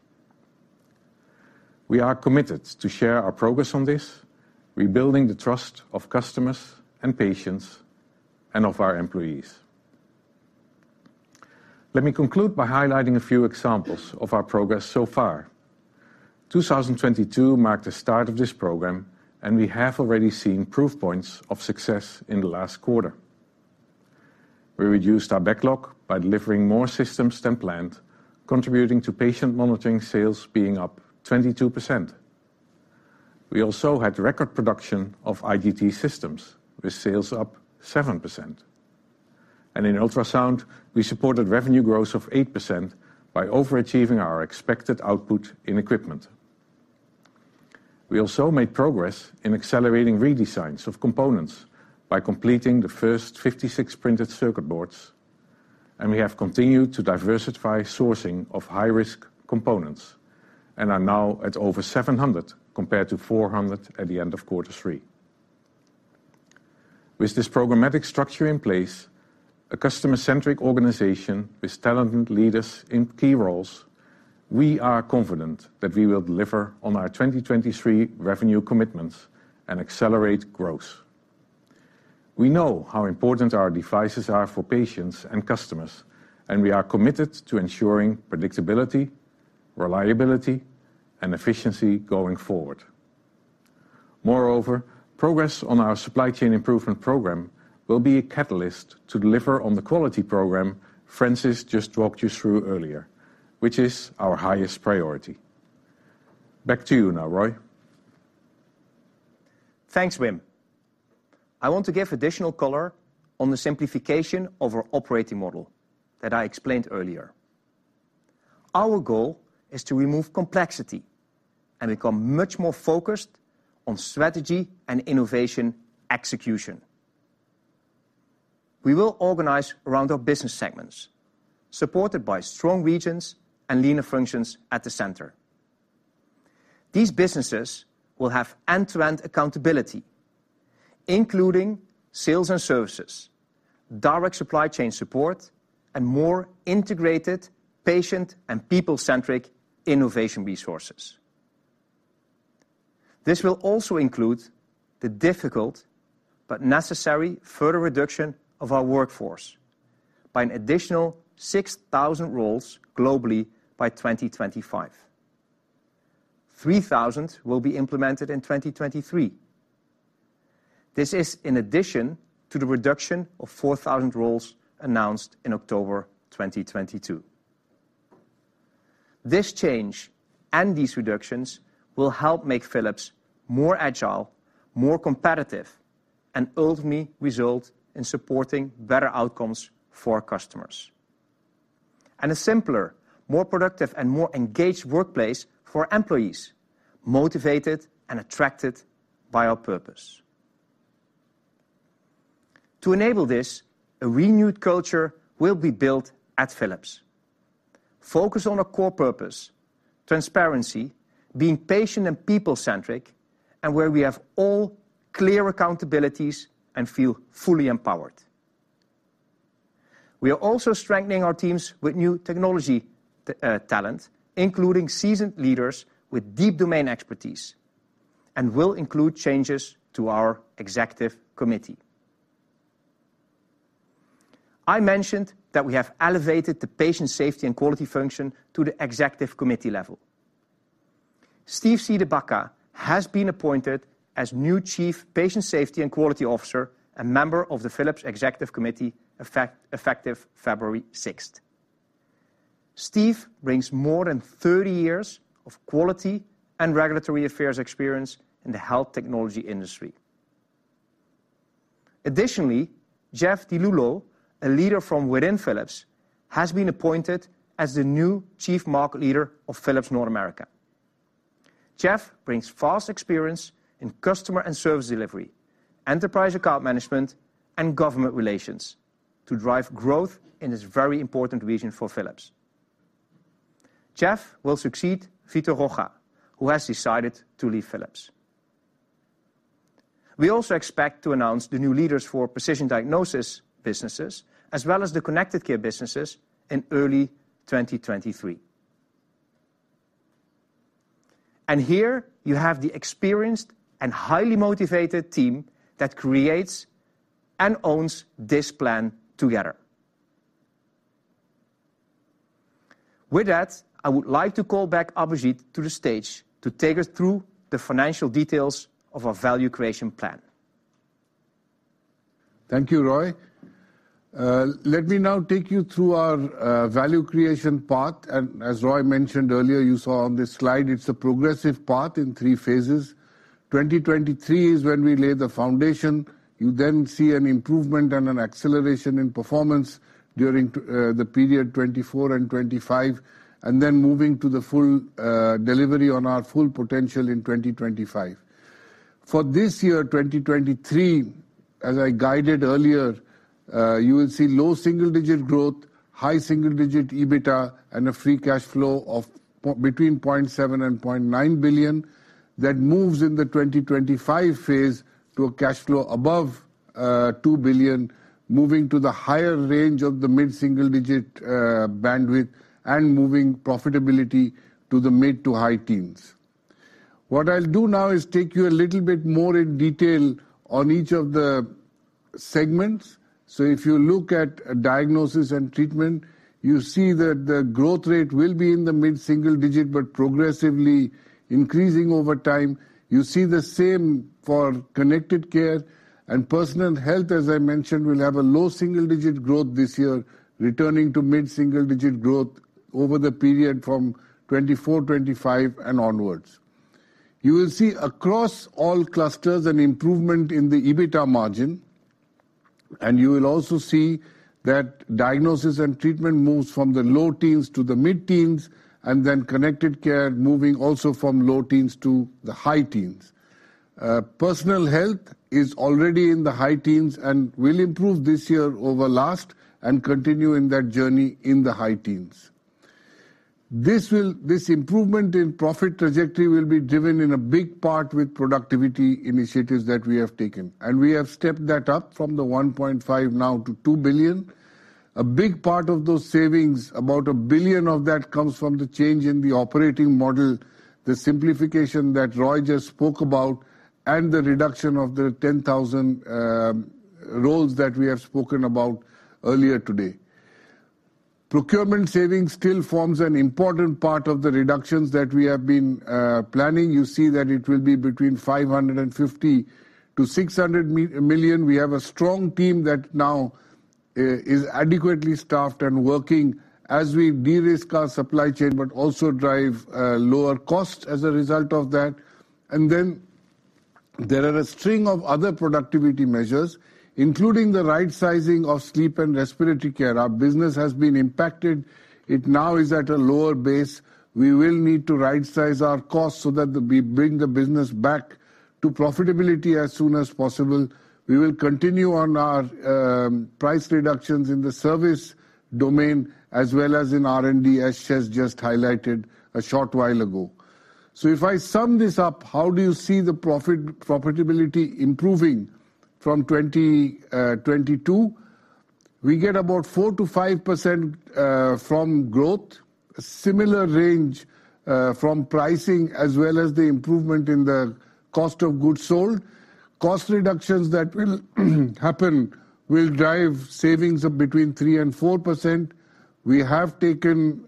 We are committed to share our progress on this, rebuilding the trust of customers and patients, and of our employees. Let me conclude by highlighting a few examples of our progress so far. 2022 marked the start of this program, and we have already seen proof points of success in the last quarter. We reduced our backlog by delivering more systems than planned, contributing to patient monitoring sales being up 22%. We also had record production of IGT systems, with sales up 7%. In ultrasound, we supported revenue growth of 8% by overachieving our expected output in equipment. We also made progress in accelerating redesigns of components by completing the first 56 printed circuit boards, we have continued to diversify sourcing of high-risk components and are now at over 700 compared to 400 at the end of quarter three. With this programmatic structure in place, a customer-centric organization with talented leaders in key roles, we are confident that we will deliver on our 2023 revenue commitments and accelerate growth. We know how important our devices are for patients and customers, we are committed to ensuring predictability, reliability, and efficiency going forward. Moreover, progress on our supply chain improvement program will be a catalyst to deliver on the quality program Francis just walked you through earlier, which is our highest priority. Back to you now, Roy. Thanks, Wim. I want to give additional color on the simplification of our operating model that I explained earlier. Our goal is to remove complexity and become much more focused on strategy and innovation execution. We will organize around our business segments, supported by strong regions and leaner functions at the center. These businesses will have end-to-end accountability, including sales and services, direct supply chain support, and more integrated patient and people-centric innovation resources. This will also include the difficult but necessary further reduction of our workforce by an additional 6,000 roles globally by 2025. 3,000 will be implemented in 2023. This is in addition to the reduction of 4,000 roles announced in October 2022. This change and these reductions will help make Philips more agile, more competitive, and ultimately result in supporting better outcomes for our customers. A simpler, more productive, and more engaged workplace for employees, motivated and attracted by our purpose. To enable this, a renewed culture will be built at Philips. Focused on a core purpose, transparency, being patient and people-centric, and where we have all clear accountabilities and feel fully empowered. We are also strengthening our teams with new technology talent, including seasoned leaders with deep domain expertise, and will include changes to our executive committee. I mentioned that we have elevated the patient safety and quality function to the executive committee level. Steve C de Baca has been appointed as new Chief Patient Safety and Quality Officer, a member of the Philips executive committee effective February 6th. Steve brings more than 30 years of quality and regulatory affairs experience in the health technology industry. Additionally, Jeff DiLullo, a leader from within Philips, has been appointed as the new chief market leader of Philips North America. Jeff brings vast experience in customer and service delivery, enterprise account management, and government relations to drive growth in this very important region for Philips. Jeff will succeed Vitor Rocha, who has decided to leave Philips. We also expect to announce the new leaders for Precision Diagnosis businesses as well as the Connected Care businesses in early 2023. Here you have the experienced and highly motivated team that creates and owns this plan together. With that, I would like to call back Abhijit to the stage to take us through the financial details of our value creation plan. Thank you, Roy. Let me now take you through our value creation path. As Roy mentioned earlier, you saw on this slide, it's a progressive path in three phases. 2023 is when we lay the foundation. You then see an improvement and an acceleration in performance during the period 2024 and 2025, and then moving to the full delivery on our full potential in 2025. For this year, 2023, as I guided earlier, you will see low single-digit growth, high single-digit EBITA, and a free cash flow between 0.7 billion and 0.9 billion that moves in the 2025 phase to a cash flow above 2 billion, moving to the higher range of the mid-single digit bandwidth and moving profitability to the mid to high teens. What I'll do now is take you a little bit more in detail on each of the segments. If you look at diagnosis and treatment, you see that the growth rate will be in the mid-single digit, but progressively increasing over time. You see the same for Connected Care and Personal Health, as I mentioned, will have a low single-digit growth this year, returning to mid-single digit growth over the period from 2024, 2025, and onwards. You will see across all clusters an improvement in the EBITA margin, and you will also see that diagnosis and treatment moves from the low teens to the mid teens and then Connected Care moving also from low teens to the high teens. Personal Health is already in the high teens and will improve this year over last and continue in that journey in the high teens. This improvement in profit trajectory will be driven in a big part with productivity initiatives that we have taken. We have stepped that up from 1.5 billion now to 2 billion. A big part of those savings, about 1 billion of that, comes from the change in the operating model, the simplification that Roy just spoke about, and the reduction of the 10,000 roles that we have spoken about earlier today. Procurement savings still forms an important part of the reductions that we have been planning. You see that it will be between 550 million and 600 million. We have a strong team that now is adequately staffed and working as we de-risk our supply chain, but also drive lower costs as a result of that. There are a string of other productivity measures, including the right sizing of Sleep & Respiratory Care. Our business has been impacted. It now is at a lower base. We will need to rightsize our costs so that we bring the business back to profitability as soon as possible. We will continue on our price reductions in the service domain as well as in R&D, as Shez just highlighted a short while ago. If I sum this up, how do you see the profitability improving from 2022? We get about 4% to 5% from growth. Similar range from pricing as well as the improvement in the cost of goods sold. Cost reductions that will happen will drive savings of between 3% and 4%. We have taken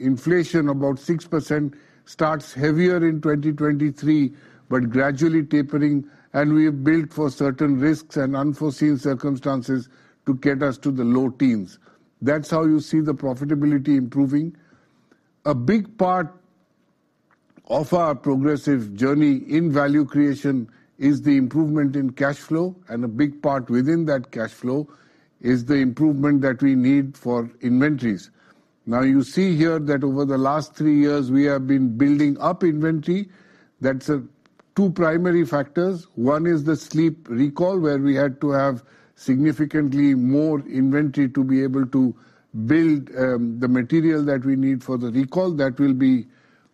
inflation about 6%, starts heavier in 2023, but gradually tapering, we have built for certain risks and unforeseen circumstances to get us to the low teens. That's how you see the profitability improving. A big part of our progressive journey in value creation is the improvement in cash flow, and a big part within that cash flow is the improvement that we need for inventories. You see here that over the last three years we have been building up inventory. That's two primary factors. One is the sleep recall, where we had to have significantly more inventory to be able to build the material that we need for the recall. That will be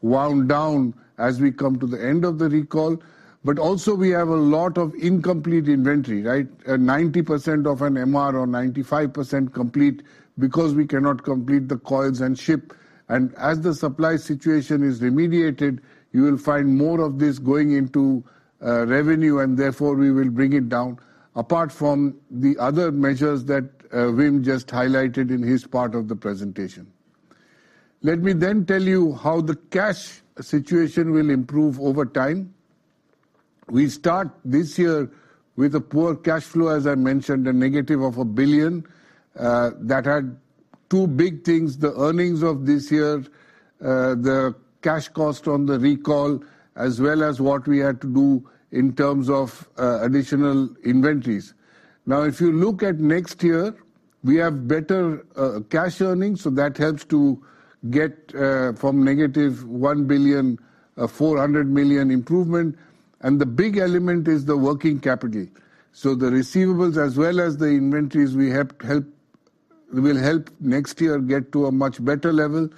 wound down as we come to the end of the recall. We have a lot of incomplete inventory, right? 90% of an MR or 95% complete because we cannot complete the coils and ship. As the supply situation is remediated, you will find more of this going into revenue, and therefore, we will bring it down, apart from the other measures that Wim just highlighted in his part of the presentation. Let me then tell you how the cash situation will improve over time. We start this year with a poor cash flow, as I mentioned, a negative of 1 billion. That had two big things, the earnings of this year, the cash cost on the recall, as well as what we had to do in terms of additional inventories. If you look at next year, we have better cash earnings, that helps to get from negative 1 billion a 400 million improvement. The big element is the working capital. The receivables as well as the inventories we have will help next year get to a much better level.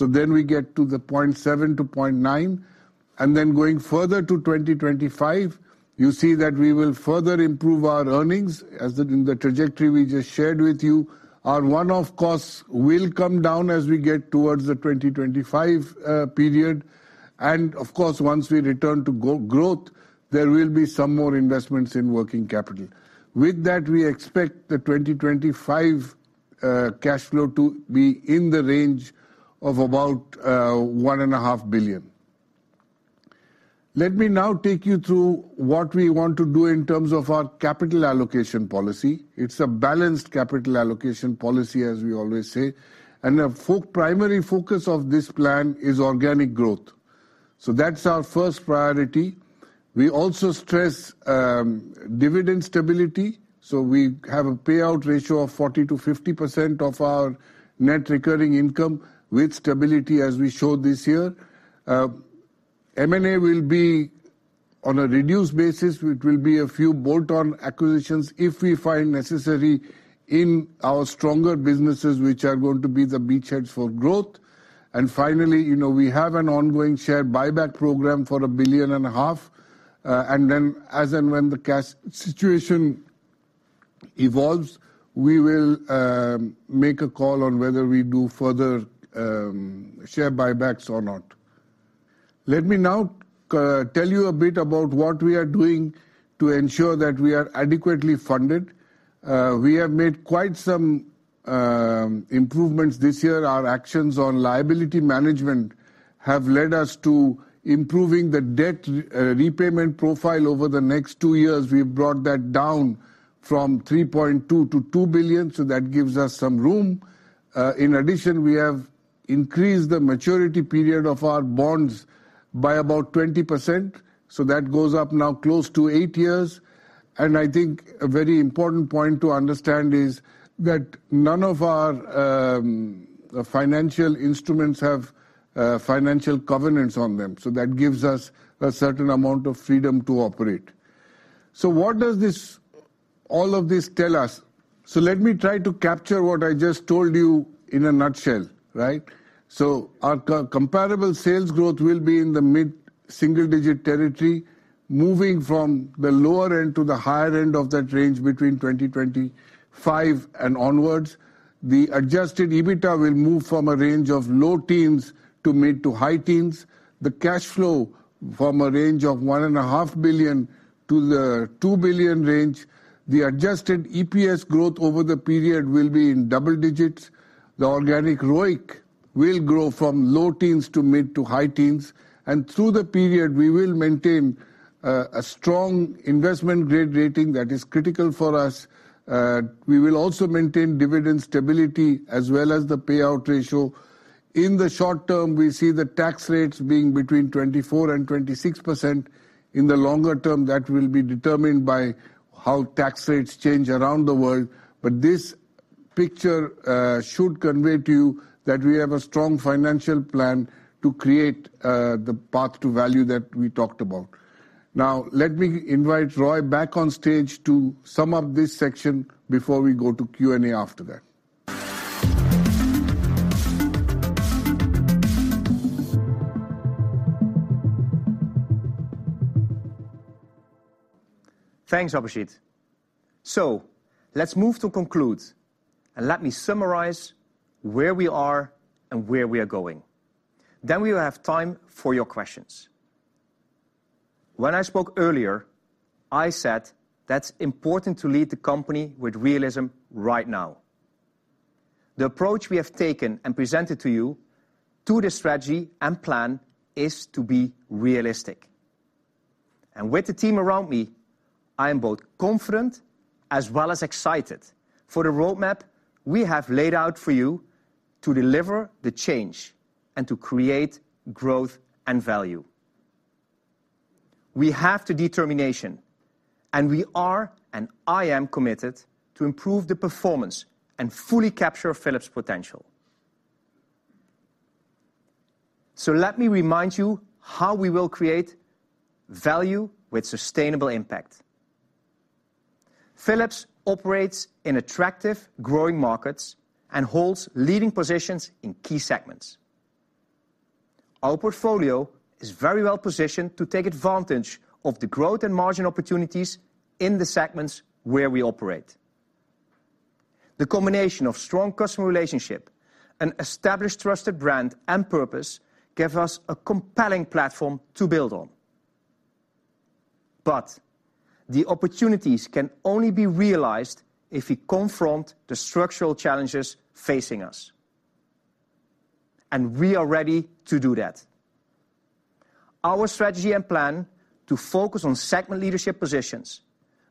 Then we get to 0.7 billion-0.9 billion. Then going further to 2025, you see that we will further improve our earnings as in the trajectory we just shared with you. Our one-off costs will come down as we get towards the 2025 period. Of course, once we return to go-growth, there will be some more investments in working capital. With that, we expect the 2025 cash flow to be in the range of about 1.5 billion. Let me now take you through what we want to do in terms of our capital allocation policy. It's a balanced capital allocation policy, as we always say, a primary focus of this plan is organic growth. That's our first priority. We also stress dividend stability, so we have a payout ratio of 40%-50% of our net recurring income with stability, as we showed this year. M&A will be on a reduced basis, which will be a few bolt-on acquisitions if we find necessary in our stronger businesses, which are going to be the beachheads for growth. Finally, you know, we have an ongoing share buyback program for 1.5 billion. As and when the cash situation evolves, we will make a call on whether we do further share buybacks or not. Let me now tell you a bit about what we are doing to ensure that we are adequately funded. We have made quite some improvements this year. Our actions on liability management have led us to improving the debt repayment profile over the next two years. We've brought that down from 3.2 billion to 2 billion, that gives us some room. In addition, we have increased the maturity period of our bonds by about 20%, that goes up now close to eight years. I think a very important point to understand is that none of our financial instruments have financial covenants on them. That gives us a certain amount of freedom to operate. What does this, all of this tell us? Let me try to capture what I just told you in a nutshell, right? Our co-compatible sales growth will be in the mid-single digit territory, moving from the lower end to the higher end of that range between 2025 and onwards. The adjusted EBITA will move from a range of low teens to mid to high teens, the cash flow from a range of 1.5 billion-2 billion. The adjusted EPS growth over the period will be in double digits. The organic ROIC will grow from low teens to mid to high teens. Through the period, we will maintain a strong investment-grade rating that is critical for us. We will also maintain dividend stability as well as the payout ratio. In the short term, we see the tax rates being between 24% and 26%. In the longer term, that will be determined by how tax rates change around the world. This picture should convey to you that we have a strong financial plan to create the path to value that we talked about. Let me invite Roy back on stage to sum up this section before we go to Q&A after that. Thanks, Abhijit. Let's move to conclude, and let me summarize where we are and where we are going. We will have time for your questions. When I spoke earlier, I said that's important to lead the company with realism right now. The approach we have taken and presented to you to the strategy and plan is to be realistic. With the team around me, I am both confident as well as excited for the roadmap we have laid out for you to deliver the change and to create growth and value. We have the determination, and I am committed to improve the performance and fully capture Philips' potential. Let me remind you how we will create value with sustainable impact. Philips operates in attractive growing markets and holds leading positions in key segments. Our portfolio is very well positioned to take advantage of the growth and margin opportunities in the segments where we operate. The combination of strong customer relationship and established trusted brand and purpose give us a compelling platform to build on. The opportunities can only be realized if we confront the structural challenges facing us. We are ready to do that. Our strategy and plan to focus on segment leadership positions,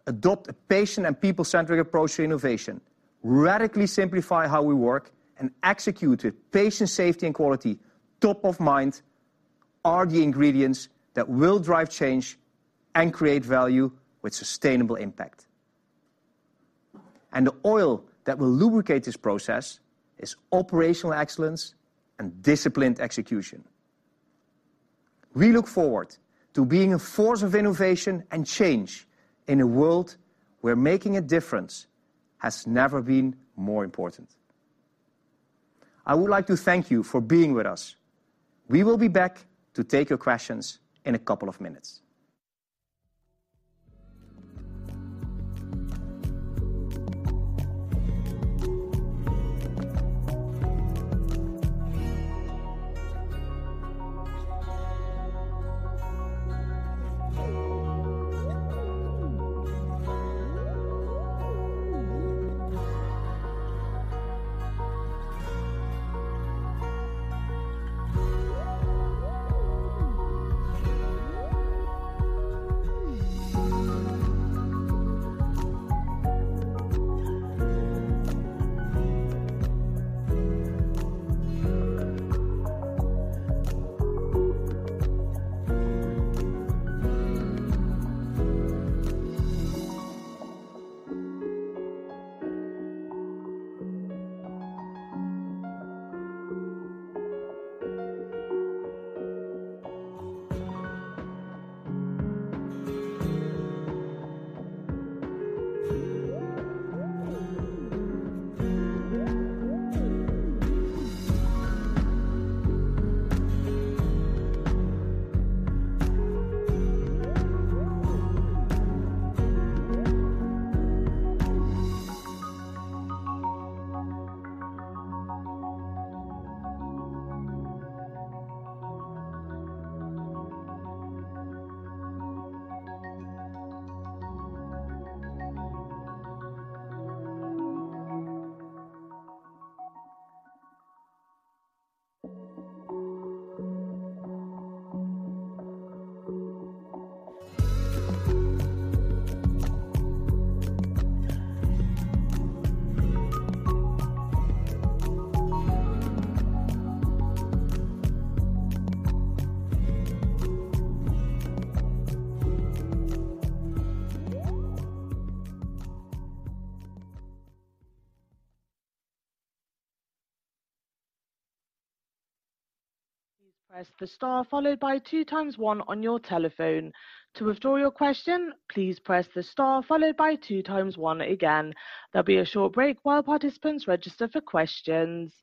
adopt a patient and people-centric approach to innovation, radically simplify how we work, and execute with patient safety and quality top of mind are the ingredients that will drive change and create value with sustainable impact. The oil that will lubricate this process is operational excellence and disciplined execution. We look forward to being a force of innovation and change in a world where making a difference has never been more important. I would like to thank you for being with us. We will be back to take your questions in a couple of minutes. Please press the star followed by 2x-one on your telephone. To withdraw your question, please press the star followed by 2x-one again. There'll be a short break while participants register for questions.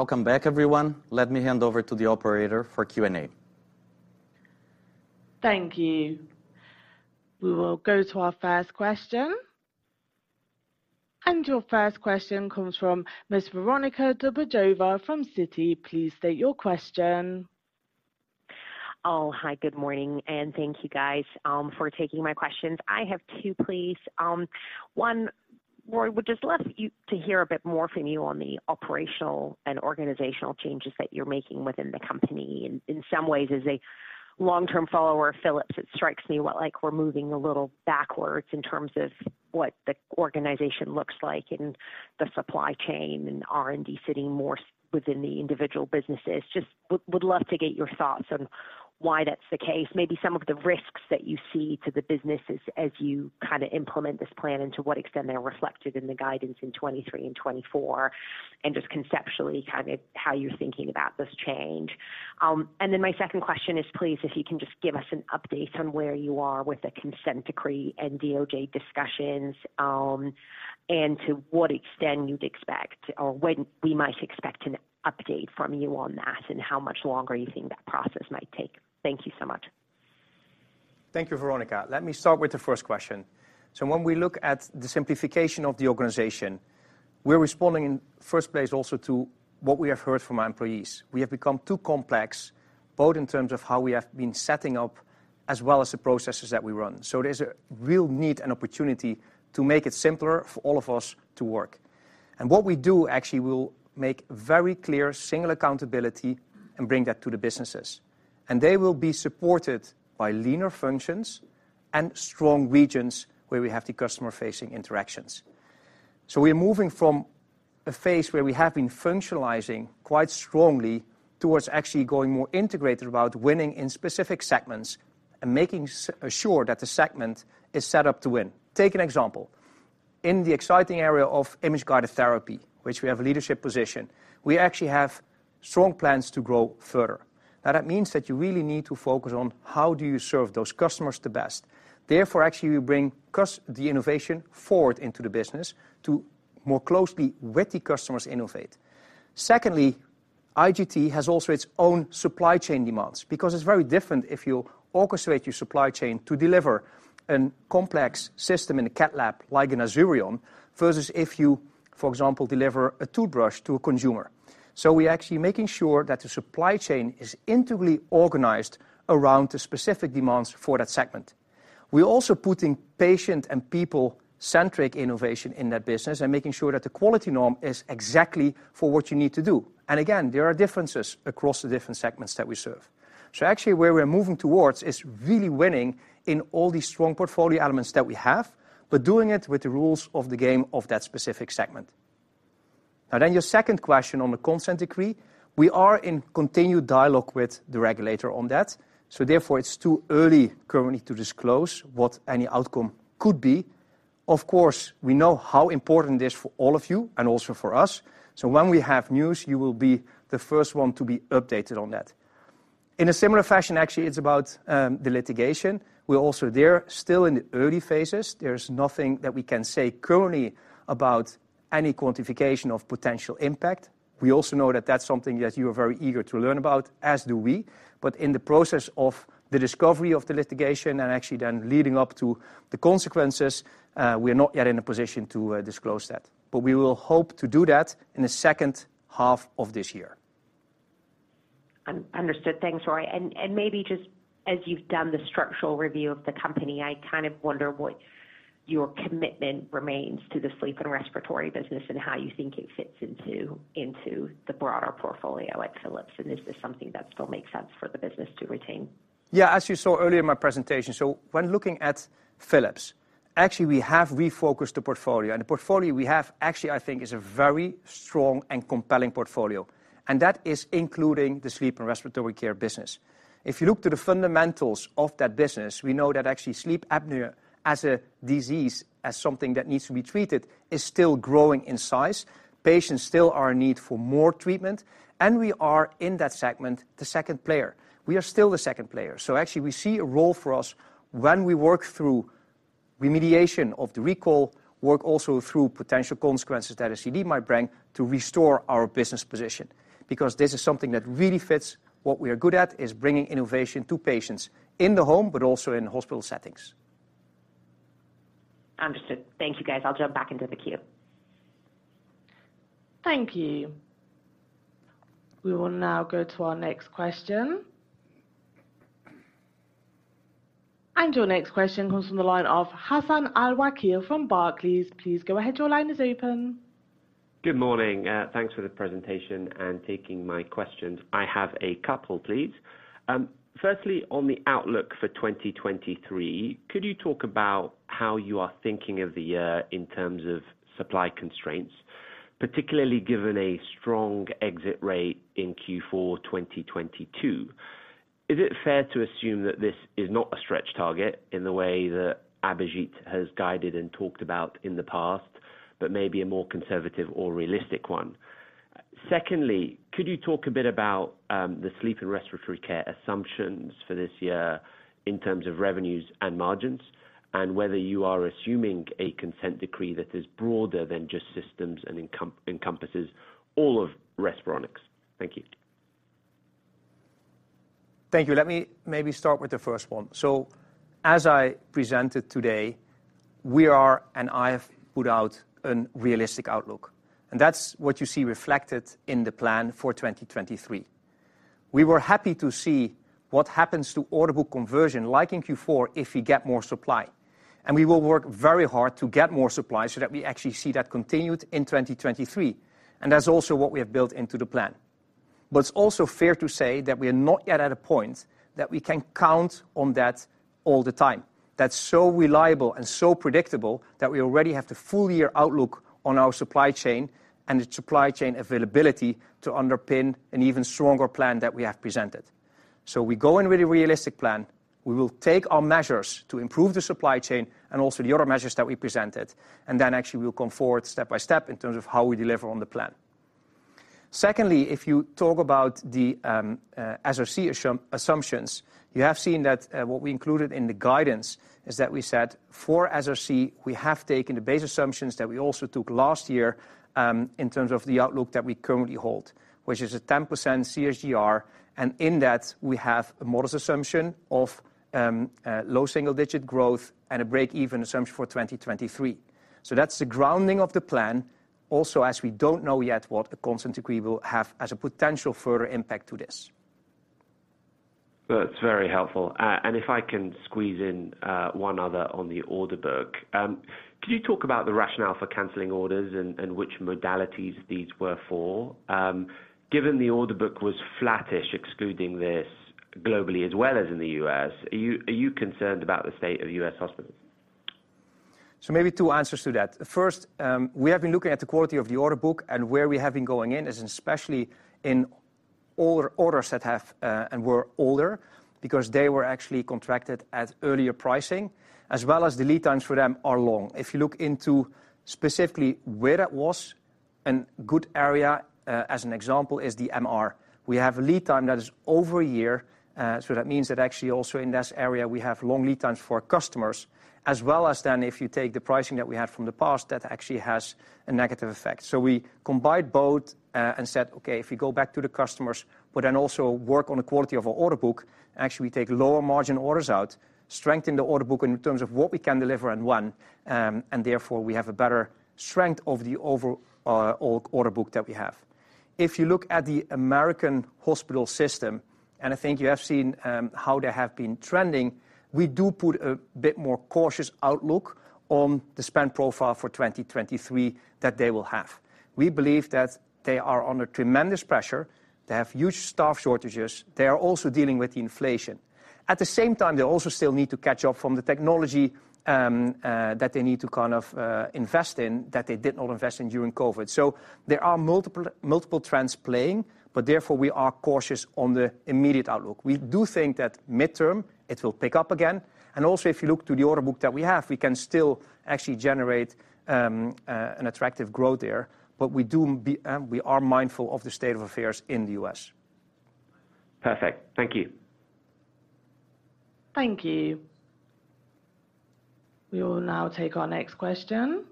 Welcome back, everyone. Let me hand over to the operator for Q&A. Thank you. We will go to our first question. Your first question comes from Ms. Veronika Dubajova From Citi. Please state your question. Hi, good morning, thank you guys for taking my questions. I have two, please. One, Roy, would just love to hear a bit more from you on the operational and organizational changes that you're making within the company. In some ways as a long-term follower of Philips, it strikes me what like we're moving a little backwards in terms of what the organization looks like and the supply chain and R&D sitting more within the individual businesses. Just would love to get your thoughts on why that's the case. Maybe some of the risks that you see to the businesses as you kind of implement this plan and to what extent they're reflected in the guidance in 2023 and 2024, just conceptually kind of how you're thinking about this change. My second question is, please, if you can just give us an update on where you are with the consent decree and DOJ discussions, and to what extent you'd expect or when we might expect an update from you on that, and how much longer you think that process might take. Thank you so much. Thank you, Veronika. Let me start with the first question. When we look at the simplification of the organization, we're responding in first place also to what we have heard from our employees. We have become too complex, both in terms of how we have been setting up as well as the processes that we run. There's a real need and opportunity to make it simpler for all of us to work. What we do actually will make very clear single accountability and bring that to the businesses. They will be supported by leaner functions and strong regions where we have the customer-facing interactions. We're moving from a phase where we have been functionalizing quite strongly towards actually going more integrated about winning in specific segments and making assure that the segment is set up to win. Take an example. In the exciting area of Image-Guided Therapy, which we have a leadership position, we actually have strong plans to grow further. That means that you really need to focus on how do you serve those customers the best. Actually, we bring the innovation forward into the business to more closely with the customers innovate. IGT has also its own supply chain demands because it's very different if you orchestrate your supply chain to deliver a complex system in a cath lab like an Azurion versus if you, for example, deliver a toothbrush to a consumer. We're actually making sure that the supply chain is integrally organized around the specific demands for that segment. We're also putting patient and people-centric innovation in that business and making sure that the quality norm is exactly for what you need to do. Again, there are differences across the different segments that we serve. Actually, where we're moving towards is really winning in all these strong portfolio elements that we have, but doing it with the rules of the game of that specific segment. Your second question on the consent decree. We are in continued dialogue with the regulator on that, so therefore it's too early currently to disclose what any outcome could be. Of course, we know how important it is for all of you and also for us, so when we have news, you will be the first one to be updated on that. In a similar fashion, actually, it's about the litigation. We're also there still in the early phases. There's nothing that we can say currently about any quantification of potential impact. We also know that that's something that you are very eager to learn about, as do we. In the process of the discovery of the litigation and actually then leading up to the consequences, we are not yet in a position to disclose that. We will hope to do that in the second half of this year. Understood. Thanks, Roy. And maybe just as you've done the structural review of the company, I kind of wonder what your commitment remains to the sleep and respiratory business and how you think it fits into the broader portfolio at Philips. Is this something that still makes sense for the business to retain? Yeah. As you saw earlier in my presentation, so when looking at Philips, actually we have refocused the portfolio. The portfolio we have actually I think is a very strong and compelling portfolio, and that is including the Sleep & Respiratory Care business. If you look to the fundamentals of that business, we know that actually sleep apnea as a disease, as something that needs to be treated, is still growing in size. Patients still are in need for more treatment, and we are, in that segment, the second player. We are still the second player. Actually, we see a role for us when we work through Remediation of the recall work also through potential consequences that SCD might bring to restore our business position. This is something that really fits what we are good at, is bringing innovation to patients in the home, but also in hospital settings. Understood. Thank you, guys. I'll jump back into the queue. Thank you. We will now go to our next question. Your next question comes from the line of Hassan Al-Wakeel from Barclays. Please go ahead. Your line is open. Good morning. Thanks for the presentation and taking my questions. I have a couple, please. Firstly, on the outlook for 2023, could you talk about how you are thinking of the year in terms of supply constraints, particularly given a strong exit rate in Q4 2022? Is it fair to assume that this is not a stretch target in the way that Abhijit has guided and talked about in the past, but maybe a more conservative or realistic one? Secondly, could you talk a bit about the Sleep & Respiratory Care assumptions for this year in terms of revenues and margins, and whether you are assuming a consent decree that is broader than just systems and encompasses all of Respironics? Thank you. Thank you. Let me maybe start with the first one. As I presented today, we are, and I have put out, a realistic outlook, and that's what you see reflected in the plan for 2023. We were happy to see what happens to order book conversion, like in Q4, if we get more supply. We will work very hard to get more supply so that we actually see that continued in 2023. That's also what we have built into the plan. It's also fair to say that we are not yet at a point that we can count on that all the time. That's so reliable and so predictable that we already have the full year outlook on our supply chain and the supply chain availability to underpin an even stronger plan that we have presented. We go in with a realistic plan. We will take our measures to improve the supply chain and also the other measures that we presented, and then actually we'll come forward step by step in terms of how we deliver on the plan. Secondly, if you talk about the SRC assumptions, you have seen that what we included in the guidance is that we said for SRC, we have taken the base assumptions that we also took last year in terms of the outlook that we currently hold, which is a 10% CAGR. In that, we have a modest assumption of low single-digit growth and a break-even assumption for 2023. That's the grounding of the plan. As we don't know yet what the consent decree will have as a potential further impact to this. That's very helpful. If I can squeeze in one other on the order book. Could you talk about the rationale for canceling orders and which modalities these were for? Given the order book was flattish, excluding this globally as well as in the U.S., are you concerned about the state of U.S. hospitals? Maybe two answers to that. First, we have been looking at the quality of the order book, and where we have been going in is especially in older orders that have and were older, because they were actually contracted at earlier pricing, as well as the lead times for them are long. If you look into specifically where that was, a good area, as an example, is the MR. We have a lead time that is over one year, so that means that actually also in that area we have long lead times for customers. As well as then, if you take the pricing that we had from the past, that actually has a negative effect. We combined both, and said, "Okay, if we go back to the customers, but then also work on the quality of our order book, actually take lower margin orders out, strengthen the order book in terms of what we can deliver and when, and therefore we have a better strength of the or order book that we have." You look at the American hospital system, and I think you have seen, how they have been trending, we do put a bit more cautious outlook on the spend profile for 2023 that they will have. We believe that they are under tremendous pressure. They have huge staff shortages. They are also dealing with inflation. At the same time, they also still need to catch up from the technology that they need to kind of invest in that they did not invest in during COVID. There are multiple trends playing, but therefore we are cautious on the immediate outlook. We do think that midterm it will pick up again. If you look to the order book that we have, we can still actually generate an attractive growth there. We are mindful of the state of affairs in the U.S. Perfect. Thank you. Thank you. We will now take our next question.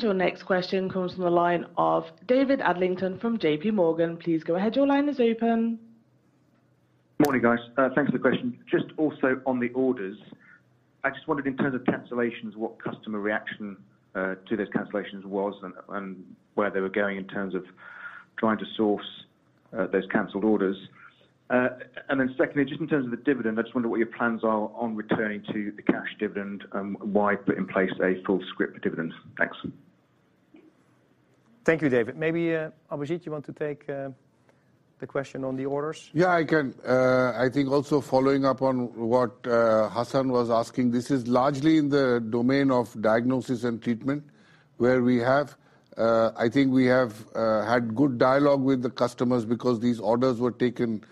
Your next question comes from the line of David Adlington from JPMorgan. Please go ahead. Your line is open. Morning, guys. Thanks for the question. Just also on the orders, I just wondered in terms of cancellations, what customer reaction to those cancellations was and where they were going in terms of trying to source those canceled orders. Secondly, just in terms of the dividend, I just wonder what your plans are on returning to the cash dividend, why put in place a full scrip dividend? Thanks. Thank you, David. Maybe, Abhijit, you want to take the question on the orders? Yeah, I can. I think also following up on what Hassan was asking, this is largely in the domain of diagnosis and treatment, where we have, I think we have had good dialogue with the customers because these orders were taken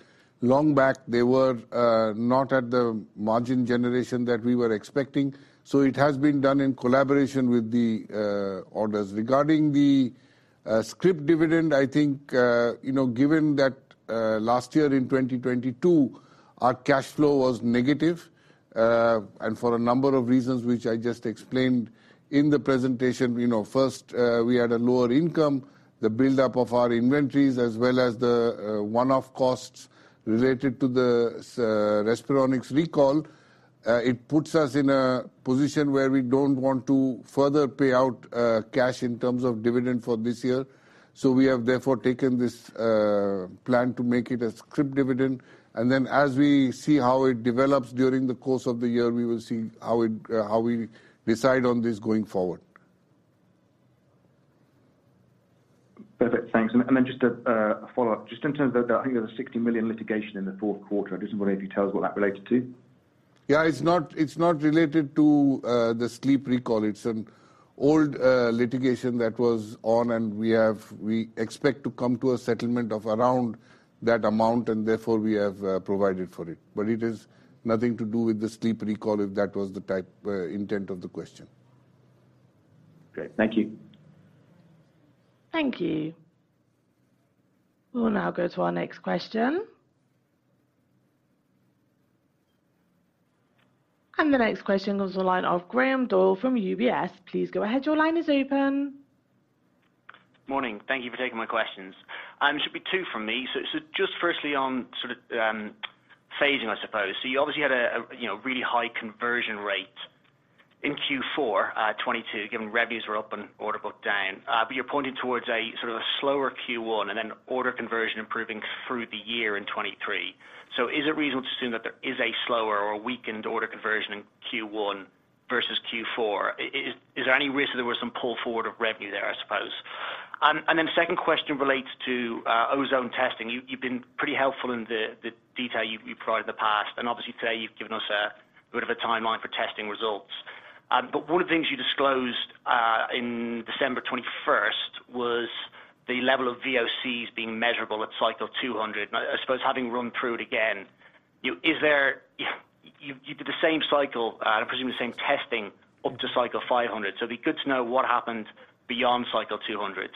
long back. They were not at the margin generation that we were expecting, so it has been done in collaboration with the orders. Regarding the scrip dividend, I think, you know, given that last year in 2022, our cash flow was negative, and for a number of reasons which I just explained in the presentation. You know, first, we had a lower income, the buildup of our inventories, as well as the one-off costs related to the Respironics recall. It puts us in a position where we don't want to further pay out, cash in terms of dividend for this year. We have therefore taken this, plan to make it a scrip dividend. As we see how it develops during the course of the year, we will see how we decide on this going forward. Perfect. Thanks. Just a follow-up. Just in terms of the, I think there was 60 million litigation in the fourth quarter. I just wonder if you can tell us what that related to. Yeah. It's not, it's not related to the sleep recall. It's an old litigation that was on, and we expect to come to a settlement of around that amount, and therefore we have provided for it. It is nothing to do with the sleep recall, if that was the type intent of the question. Great. Thank you. Thank you. We will now go to our next question. The next question goes to the line of Graham Doyle from UBS. Please go ahead. Your line is open. Morning. Thank you for taking my questions. Should be two from me. Just firstly on sort of phasing, I suppose. You obviously had a, you know, really high conversion rate in Q4 2022, given revenues were up and order book down. You're pointing towards a sort of a slower Q1 and then order conversion improving through the year in 2023. Is it reasonable to assume that there is a slower or weakened order conversion in Q1 versus Q4? Is there any risk that there was some pull forward of revenue there, I suppose? Second question relates to ozone testing. You've been pretty helpful in the detail you've provided in the past, obviously today you've given us a bit of a timeline for testing results. One of the things you disclosed in December 21st was the level of VOCs being measurable at cycle 200. I suppose having run through it again, you know, is there? You did the same cycle, I presume the same testing up to cycle 500. It'd be good to know what happened beyond cycle 200.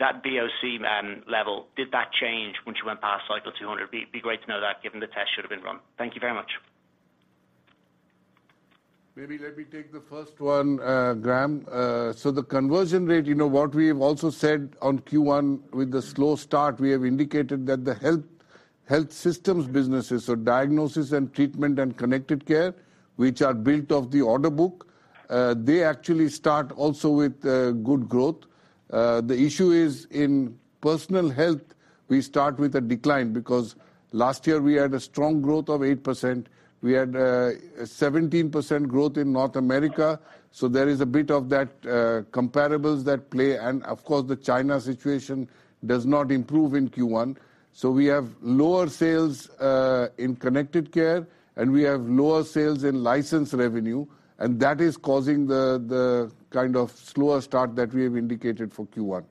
That VOC level, did that change once you went past cycle 200? Be great to know that, given the test should have been run. Thank you very much. Maybe let me take the first one, Graham. The conversion rate, you know what we've also said on Q1 with the slow start, we have indicated that the health systems businesses, so diagnosis and treatment and Connected Care, which are built of the order book, they actually start also with good growth. The issue is in Personal Health, we start with a decline because last year we had a strong growth of 8%. We had 17% growth in North America. There is a bit of that comparables that play and of course the China situation does not improve in Q1. We have lower sales in Connected Care, and we have lower sales in license revenue, and that is causing the kind of slower start that we have indicated for Q1.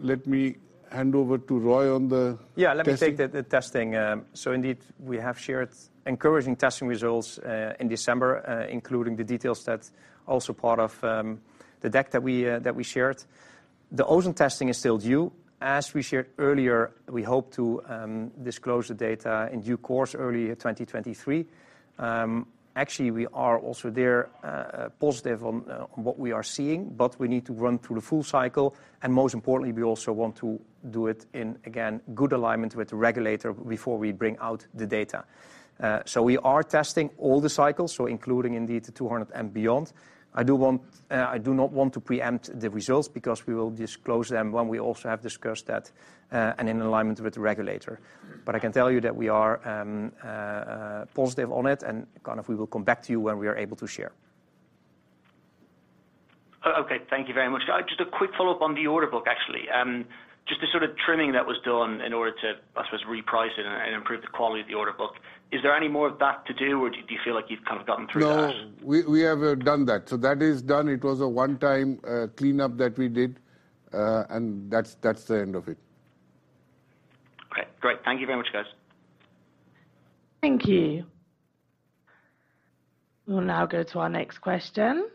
Let me hand over to Roy on the testing. Yeah, let me take the testing. So indeed, we have shared encouraging testing results in December, including the details that also part of the deck that we that we shared. The ozone testing is still due. As we shared earlier, we hope to disclose the data in due course early 2023. Actually we are also there, positive on what we are seeing, but we need to run through the full cycle, and most importantly, we also want to do it in, again, good alignment with the regulator before we bring out the data. So we are testing all the cycles, so including indeed the two hundred and beyond. I do not want to preempt the results because we will disclose them when we also have discussed that and in alignment with the regulator. I can tell you that we are positive on it and we will come back to you when we are able to share. Okay. Thank you very much. Just a quick follow-up on the order book, actually. Just the sort of trimming that was done in order to, I suppose, reprice it and improve the quality of the order book. Is there any more of that to do, or do you feel like you've kind of gotten through that? No. We have done that. That is done. It was a one-time cleanup that we did, and that's the end of it. Okay, great. Thank you very much, guys. Thank you. We'll now go to our next question.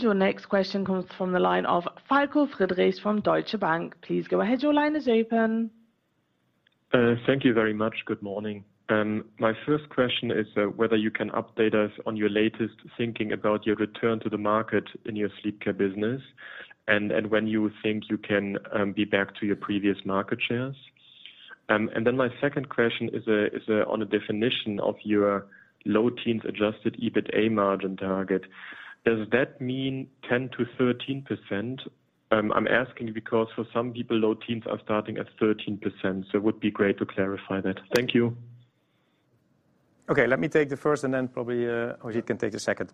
Your next question comes from the line of Falko Friedrichs from Deutsche Bank. Please go ahead. Your line is open. Thank you very much. Good morning. My first question is whether you can update us on your latest thinking about your return to the market in your Sleep & Respiratory Care business, and when you think you can be back to your previous market shares. My second question is on the definition of your low teens adjusted EBITA margin target. Does that mean 10%-13%? I'm asking because for some people, low teens are starting at 13%, so it would be great to clarify that. Thank you. Okay, let me take the first and then probably, Abhijit can take the second.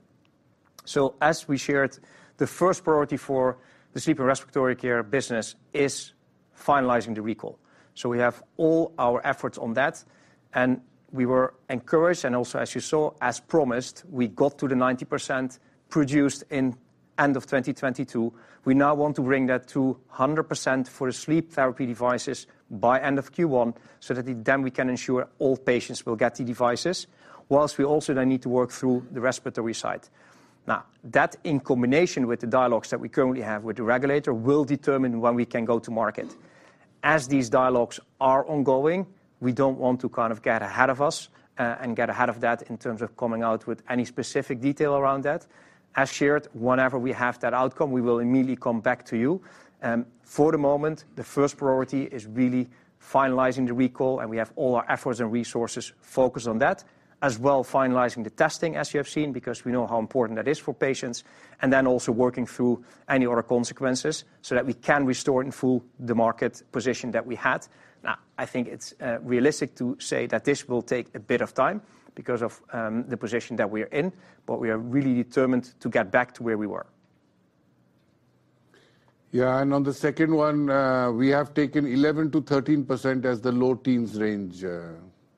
As we shared, the first priority for the Sleep & Respiratory Care business is finalizing the recall. We have all our efforts on that, and we were encouraged and also, as you saw, as promised, we got to the 90% produced in end of 2022. We now want to bring that to 100% for sleep therapy devices by end of Q1, so that then we can ensure all patients will get the devices. While we also then need to work through the respiratory side. That in combination with the dialogues that we currently have with the regulator will determine when we can go to market. As these dialogues are ongoing, we don't want to kind of get ahead of us, and get ahead of that in terms of coming out with any specific detail around that. As shared, whenever we have that outcome, we will immediately come back to you. For the moment, the first priority is really finalizing the recall, and we have all our efforts and resources focused on that. As well finalizing the testing, as you have seen, because we know how important that is for patients, and then also working through any other consequences so that we can restore in full the market position that we had. Now, I think it's realistic to say that this will take a bit of time because of the position that we are in, but we are really determined to get back to where we were. On the second one, we have taken 11%-13% as the low teens range,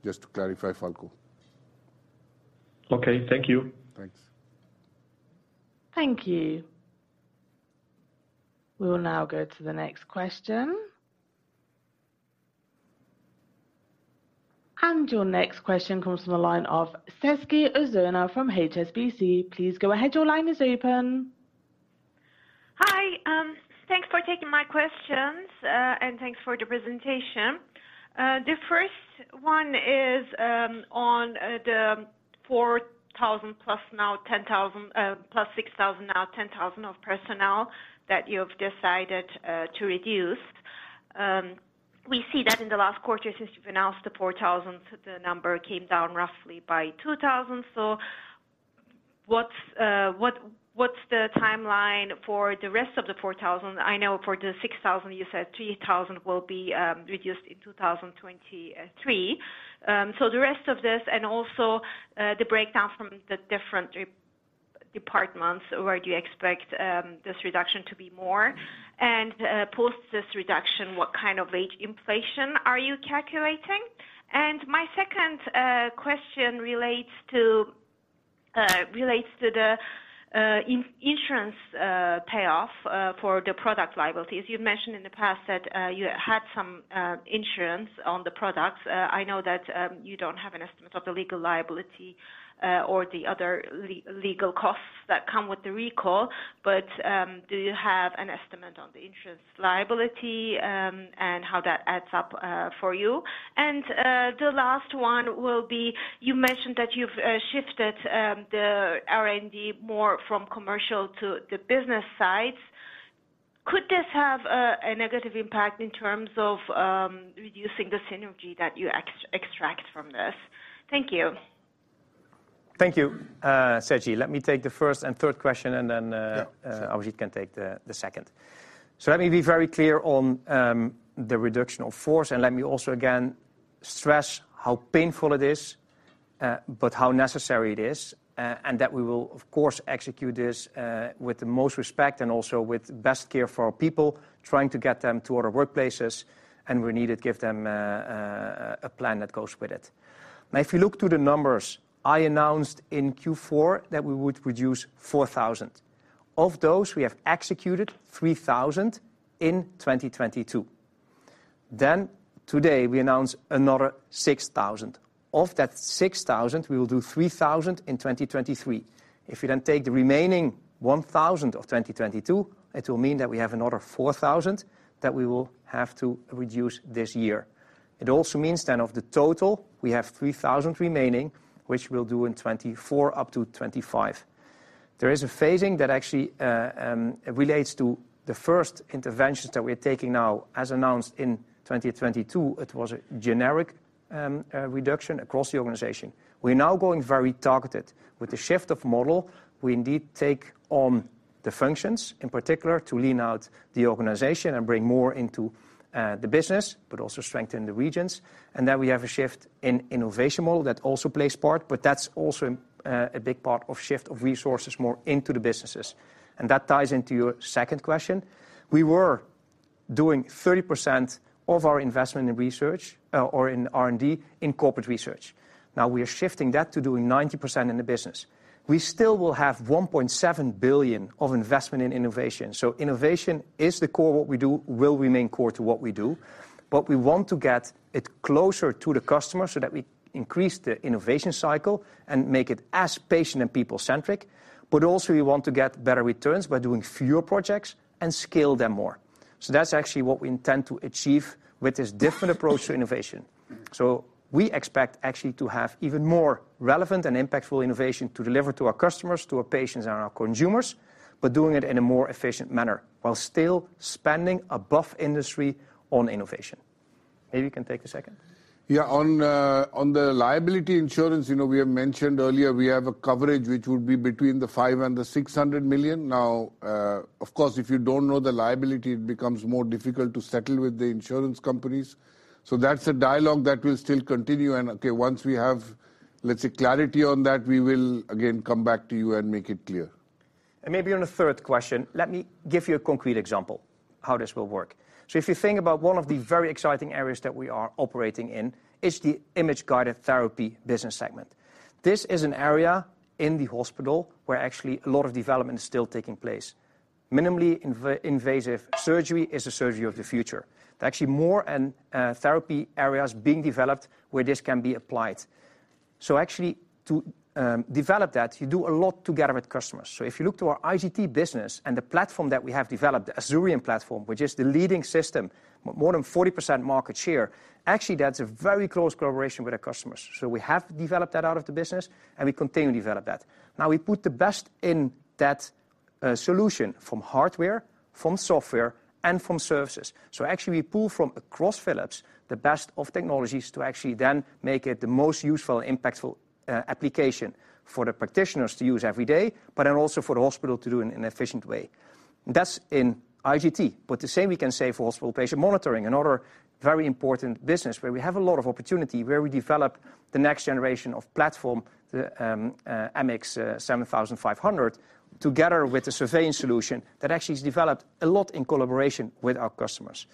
just to clarify, Falko. Okay. Thank you. Thanks. Thank you. We will now go to the next question. Your next question comes from the line of Sezgi Ozener from HSBC. Please go ahead. Your line is open. Hi. Thanks for taking my questions, and thanks for the presentation. The first one is on the 4,000+ now 10,000, +6,000, now 10,000 of personnel that you've decided to reduce. We see that in the last quarter since you've announced the 4,000, the number came down roughly by 2,000. What's the timeline for the rest of the 4,000? I know for the 6,000, you said 3,000 will be reduced in 2023. So the rest of this and also the breakdown from the different departments, where do you expect this reduction to be more? Post this reduction, what kind of wage inflation are you calculating? My second question relates to the insurance payoff for the product liability. As you've mentioned in the past that you had some insurance on the products. I know that you don't have an estimate of the legal liability or the other legal costs that come with the recall, but do you have an estimate on the insurance liability and how that adds up for you? The last one will be, you mentioned that you've shifted the R&D more from commercial to the business side. Could this have a negative impact in terms of reducing the synergy that you extract from this? Thank you. Thank you, Sezgi. Let me take the first and third question, and then Abhijit can take the second. Let me be very clear on the reduction of force, and let me also again stress how painful it is, but how necessary it is, and that we will, of course, execute this with the most respect and also with best care for our people, trying to get them to other workplaces, and we need to give them a plan that goes with it. Now, if you look to the numbers, I announced in Q4 that we would reduce 4,000. Of those, we have executed 3,000 in 2022. Today, we announce another 6,000. Of that 6,000, we will do 3,000 in 2023. If you take the remaining 1,000 of 2022, it will mean that we have another 4,000 that we will have to reduce this year. It also means then of the total, we have 3,000 remaining, which we'll do in 2024 up to 2025. There is a phasing that actually relates to the first interventions that we're taking now. As announced in 2022, it was a generic reduction across the organization. We're now going very targeted. With the shift of model, we indeed take on the functions, in particular, to lean out the organization and bring more into the business, but also strengthen the regions. We have a shift in innovation model that also plays part, but that's also a big part of shift of resources more into the businesses. That ties into your second question. We were doing 30% of our investment in research, or in R&D in corporate research. We are shifting that to doing 90% in the business. We still will have 1.7 billion of investment in innovation. Innovation is the core of what we do, will remain core to what we do. We want to get it closer to the customer so that we increase the innovation cycle and make it as patient and people-centric. Also, we want to get better returns by doing fewer projects and scale them more. That's actually what we intend to achieve with this different approach to innovation. We expect actually to have even more relevant and impactful innovation to deliver to our customers, to our patients, and our consumers, but doing it in a more efficient manner while still spending above industry on innovation. Maybe you can take a second. Yeah. On, on the liability insurance, you know, we have mentioned earlier, we have a coverage which would be between 500 million and 600 million. Of course, if you don't know the liability, it becomes more difficult to settle with the insurance companies. That's a dialogue that will still continue and, okay, once we have, let's say, clarity on that, we will again come back to you and make it clear. Maybe on the third question, let me give you a concrete example how this will work. If you think about one of the very exciting areas that we are operating in, is the Image-Guided Therapy business segment. This is an area in the hospital where actually a lot of development is still taking place. Minimally invasive surgery is the surgery of the future. There are actually more and therapy areas being developed where this can be applied. Actually to develop that, you do a lot together with customers. If you look to our IGT business and the platform that we have developed, the Azurion platform, which is the leading system, more than 40% market share, actually that's a very close collaboration with our customers. We have developed that out of the business and we continue to develop that. We put the best in that solution from hardware, from software, and from services. Actually we pull from across Philips the best of technologies to actually then make it the most useful, impactful application for the practitioners to use every day, but then also for the hospital to do in an efficient way. That's in IGT. The same we can say for hospital patient monitoring, another very important business where we have a lot of opportunity, where we develop the next generation of platform, the MX 7500, together with the surveying solution that actually is developed a lot in collaboration with our customers.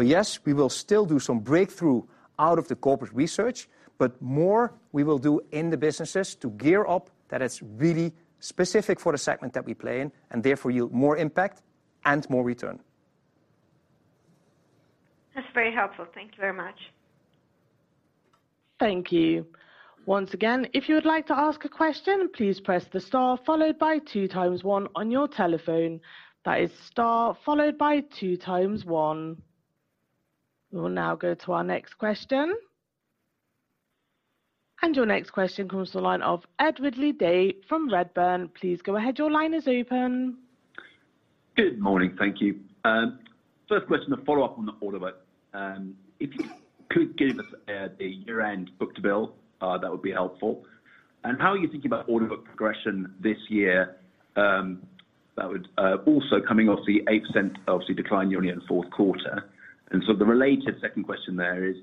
Yes, we will still do some breakthrough out of the corporate research, but more we will do in the businesses to gear up that it's really specific for the segment that we play in, and therefore yield more impact and more return. That's very helpful. Thank you very much. Thank you. Once again, if you would like to ask a question, please press the star followed by 2x-one on your telephone. That is star followed by 2x-one. We will now go to our next question. Your next question comes to the line of Ed Ridley-Day from Redburn. Please go ahead. Your line is open. Good morning. Thank you. First question to follow up on the order book. If you could give us the year-end book-to-bill, that would be helpful. How are you thinking about order book progression this year? Also coming off the 8% obviously decline year-on-year in the fourth quarter. The related second question there is,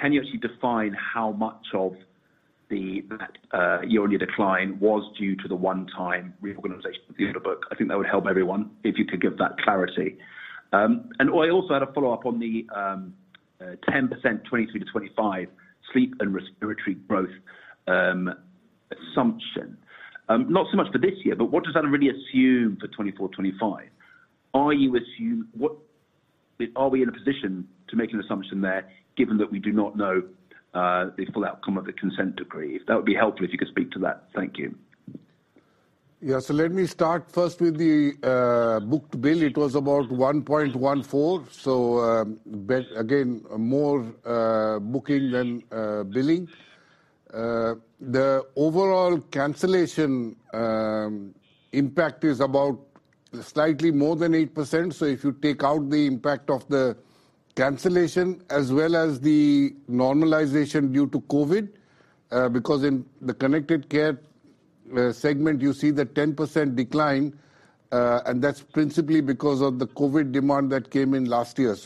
can you actually define how much of the yearly decline was due to the one-time reorganization at the end of the book? I think that would help everyone if you could give that clarity. I also had a follow-up on the 10% 2023-2025 Sleep & Respiratory Care growth assumption. Not so much for this year, what does that really assume for 2024/2025? Are we in a position to make an assumption there given that we do not know the full outcome of the consent decree? That would be helpful if you could speak to that. Thank you. Let me start first with the book-to-bill. It was about 1.14x. But again, more booking than billing. The overall cancellation impact is about slightly more than 8%. If you take out the impact of the cancellation as well as the normalization due to COVID, because in the Connected Care segment, you see the 10% decline, and that's principally because of the COVID demand that came in last year.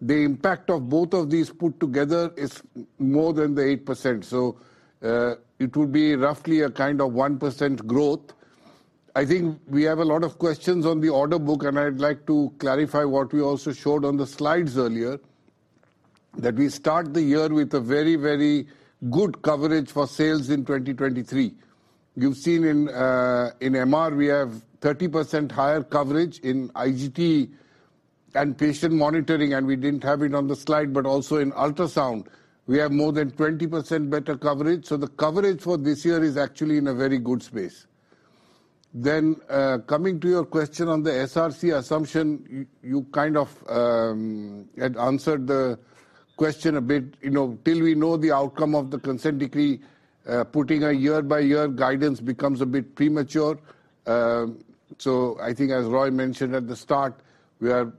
The impact of both of these put together is more than the 8%. It will be roughly a kind of 1% growth. I think we have a lot of questions on the order book, and I'd like to clarify what we also showed on the slides earlier, that we start the year with a very, very good coverage for sales in 2023. You've seen in MR we have 30% higher coverage in IGT and patient monitoring, and we didn't have it on the slide, but also in ultrasound, we have more than 20% better coverage. The coverage for this year is actually in a very good space. Coming to your question on the SRC assumption, you kind of had answered the question a bit. You know, till we know the outcome of the consent decree, putting a year-by-year guidance becomes a bit premature. I think as Roy mentioned at the start, we are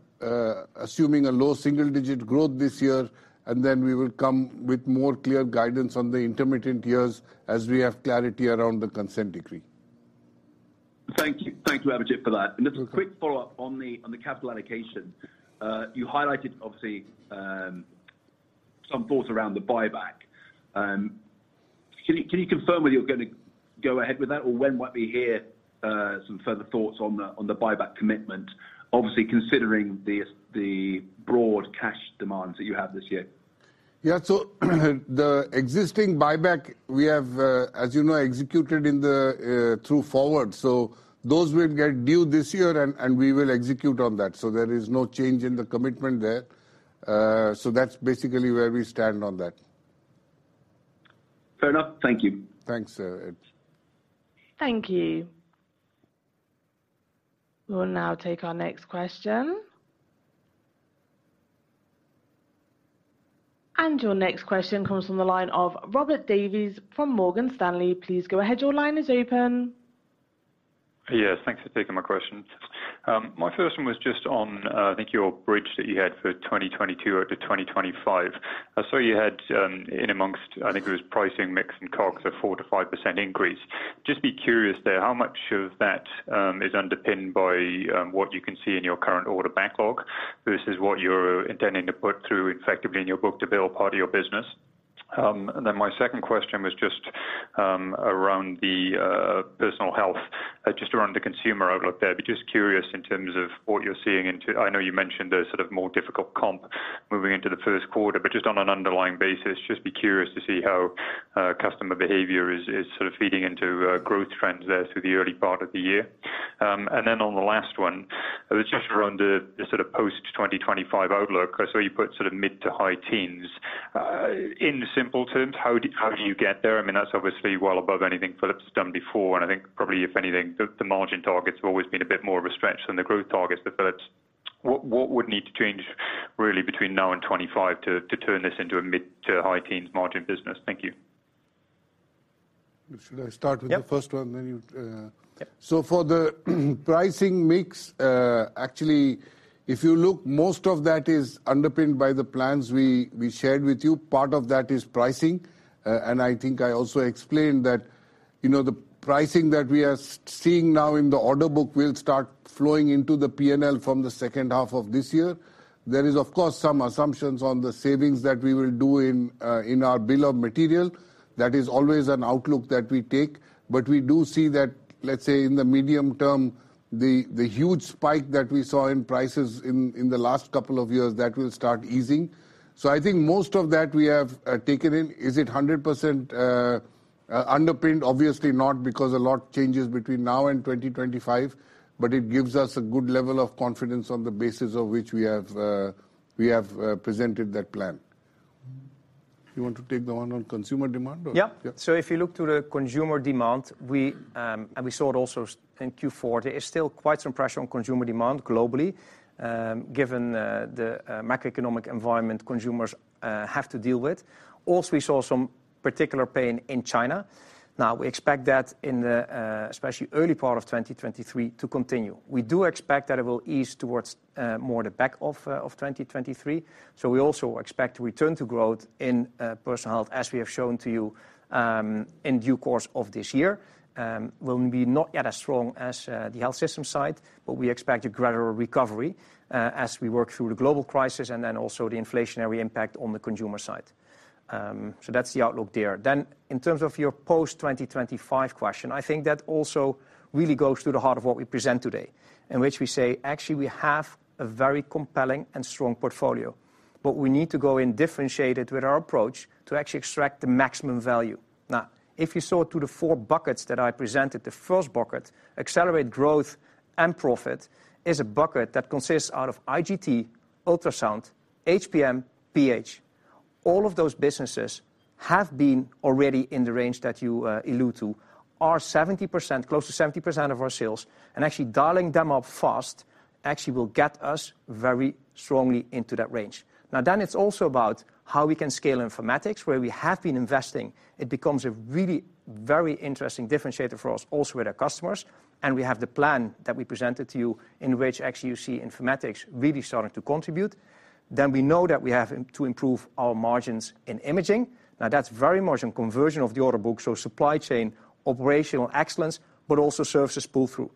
assuming a low single-digit growth this year, and then we will come with more clear guidance on the intermittent years as we have clarity around the consent decree. Thank you. Thank you, Abhijit, for that. Just a quick follow-up on the capital allocation. You highlighted, obviously, some thoughts around the buyback. Can you confirm whether you're gonna go ahead with that or when might we hear some further thoughts on the buyback commitment? Obviously, considering the broad cash demands that you have this year. Yeah. The existing buyback we have, as you know, executed in the through forward. Those will get due this year and we will execute on that. There is no change in the commitment there. That's basically where we stand on that. Fair enough. Thank you. Thanks, Ed. Thank you. We'll now take our next question. Your next question comes from the line of Robert Davies from Morgan Stanley. Please go ahead. Your line is open. Yes, thanks for taking my questions. My first one was just on, I think your bridge that you had for 2022 out to 2025. I saw you had, in amongst, I think it was pricing mix and COGS, a 4%-5% increase. Just be curious there, how much of that is underpinned by what you can see in your current order backlog versus what you're intending to put through effectively in your book-to-bill part of your business? My second question was just around the Personal Health. Just around the consumer outlook there. Be just curious in terms of what you're seeing into-- I know you mentioned the sort of more difficult comp moving into the first quarter, but just on an underlying basis, just be curious to see how customer behavior is sort of feeding into growth trends there through the early part of the year. On the last one, just around the sort of post 2025 outlook. I saw you put sort of mid to high teens. In simple terms, how do you get there? I mean, that's obviously well above anything Philips has done before. And I think probably if anything, the margin targets have always been a bit more of a stretch than the growth targets for Philips. What would need to change really between now and 2025 to turn this into a mid to high teens margin business? Thank you. Should I start with the first one, then you'd-- Yeah. For the pricing mix, actually, if you look, most of that is underpinned by the plans we shared with you. Part of that is pricing. I think I also explained that, you know, the pricing that we are seeing now in the order book will start flowing into the P&L from the second half of this year. There is, of course, some assumptions on the savings that we will do in our bill of material. That is always an outlook that we take. We do see that, let's say in the medium term, the huge spike that we saw in prices in the last couple of years, that will start easing. I think most of that we have taken in. Is it 100% underpinned? Obviously not, because a lot changes between now and 2025, but it gives us a good level of confidence on the basis of which we have, we have presented that plan. You want to take the one on consumer demand or? Yeah. If you look to the consumer demand, we, and we saw it also in Q4, there is still quite some pressure on consumer demand globally, given the macroeconomic environment consumers have to deal with. Also, we saw some particular pain in China. We expect that in the especially early part of 2023 to continue. We do expect that it will ease towards more the back half of 2023. We also expect to return to growth in Personal Health, as we have shown to you in due course of this year. Will be not yet as strong as the health system side, but we expect a greater recovery as we work through the global crisis and also the inflationary impact on the consumer side. That's the outlook there. In terms of your post 2025 question, I think that also really goes to the heart of what we present today, in which we say, actually, we have a very compelling and strong portfolio. We need to go in differentiated with our approach to actually extract the maximum value. If you saw to the four buckets that I presented, the first bucket, accelerate growth and profit, is a bucket that consists out of IGT, ultrasound, HPM, PH. All of those businesses have been already in the range that you allude to, are 70%, close to 70% of our sales. Actually dialing them up fast actually will get us very strongly into that range. It's also about how we can scale informatics, where we have been investing. It becomes a really very interesting differentiator for us also with our customers. We have the plan that we presented to you in which actually you see informatics really starting to contribute. We know that we have to improve our margins in imaging. Now, that's very much in conversion of the order book. Supply chain, operational excellence, but also services pull-through.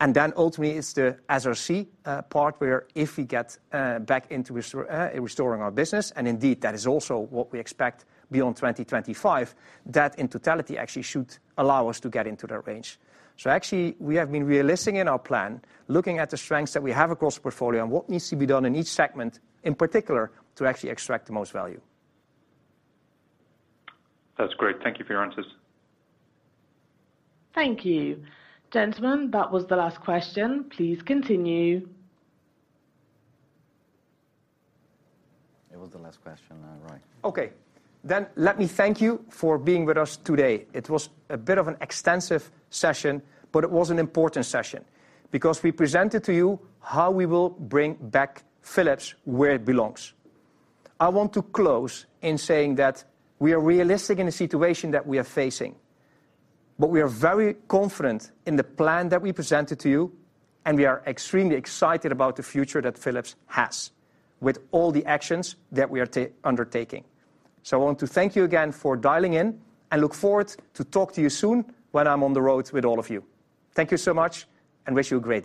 Ultimately, it's the SRC part where if we get back into restoring our business, and indeed that is also what we expect beyond 2025, that in totality actually should allow us to get into that range. Actually, we have been realistic in our plan, looking at the strengths that we have across the portfolio and what needs to be done in each segment, in particular, to actually extract the most value. That's great. Thank you for your answers. Thank you. Gentlemen, that was the last question. Please continue. It was the last question. Right. Okay. Let me thank you for being with us today. It was a bit of an extensive session, it was an important session because we presented to you how we will bring back Philips where it belongs. I want to close in saying that we are realistic in the situation that we are facing, we are very confident in the plan that we presented to you, we are extremely excited about the future that Philips has with all the actions that we are undertaking. I want to thank you again for dialing in and look forward to talk to you soon when I'm on the road with all of you. Thank you so much and wish you a great day.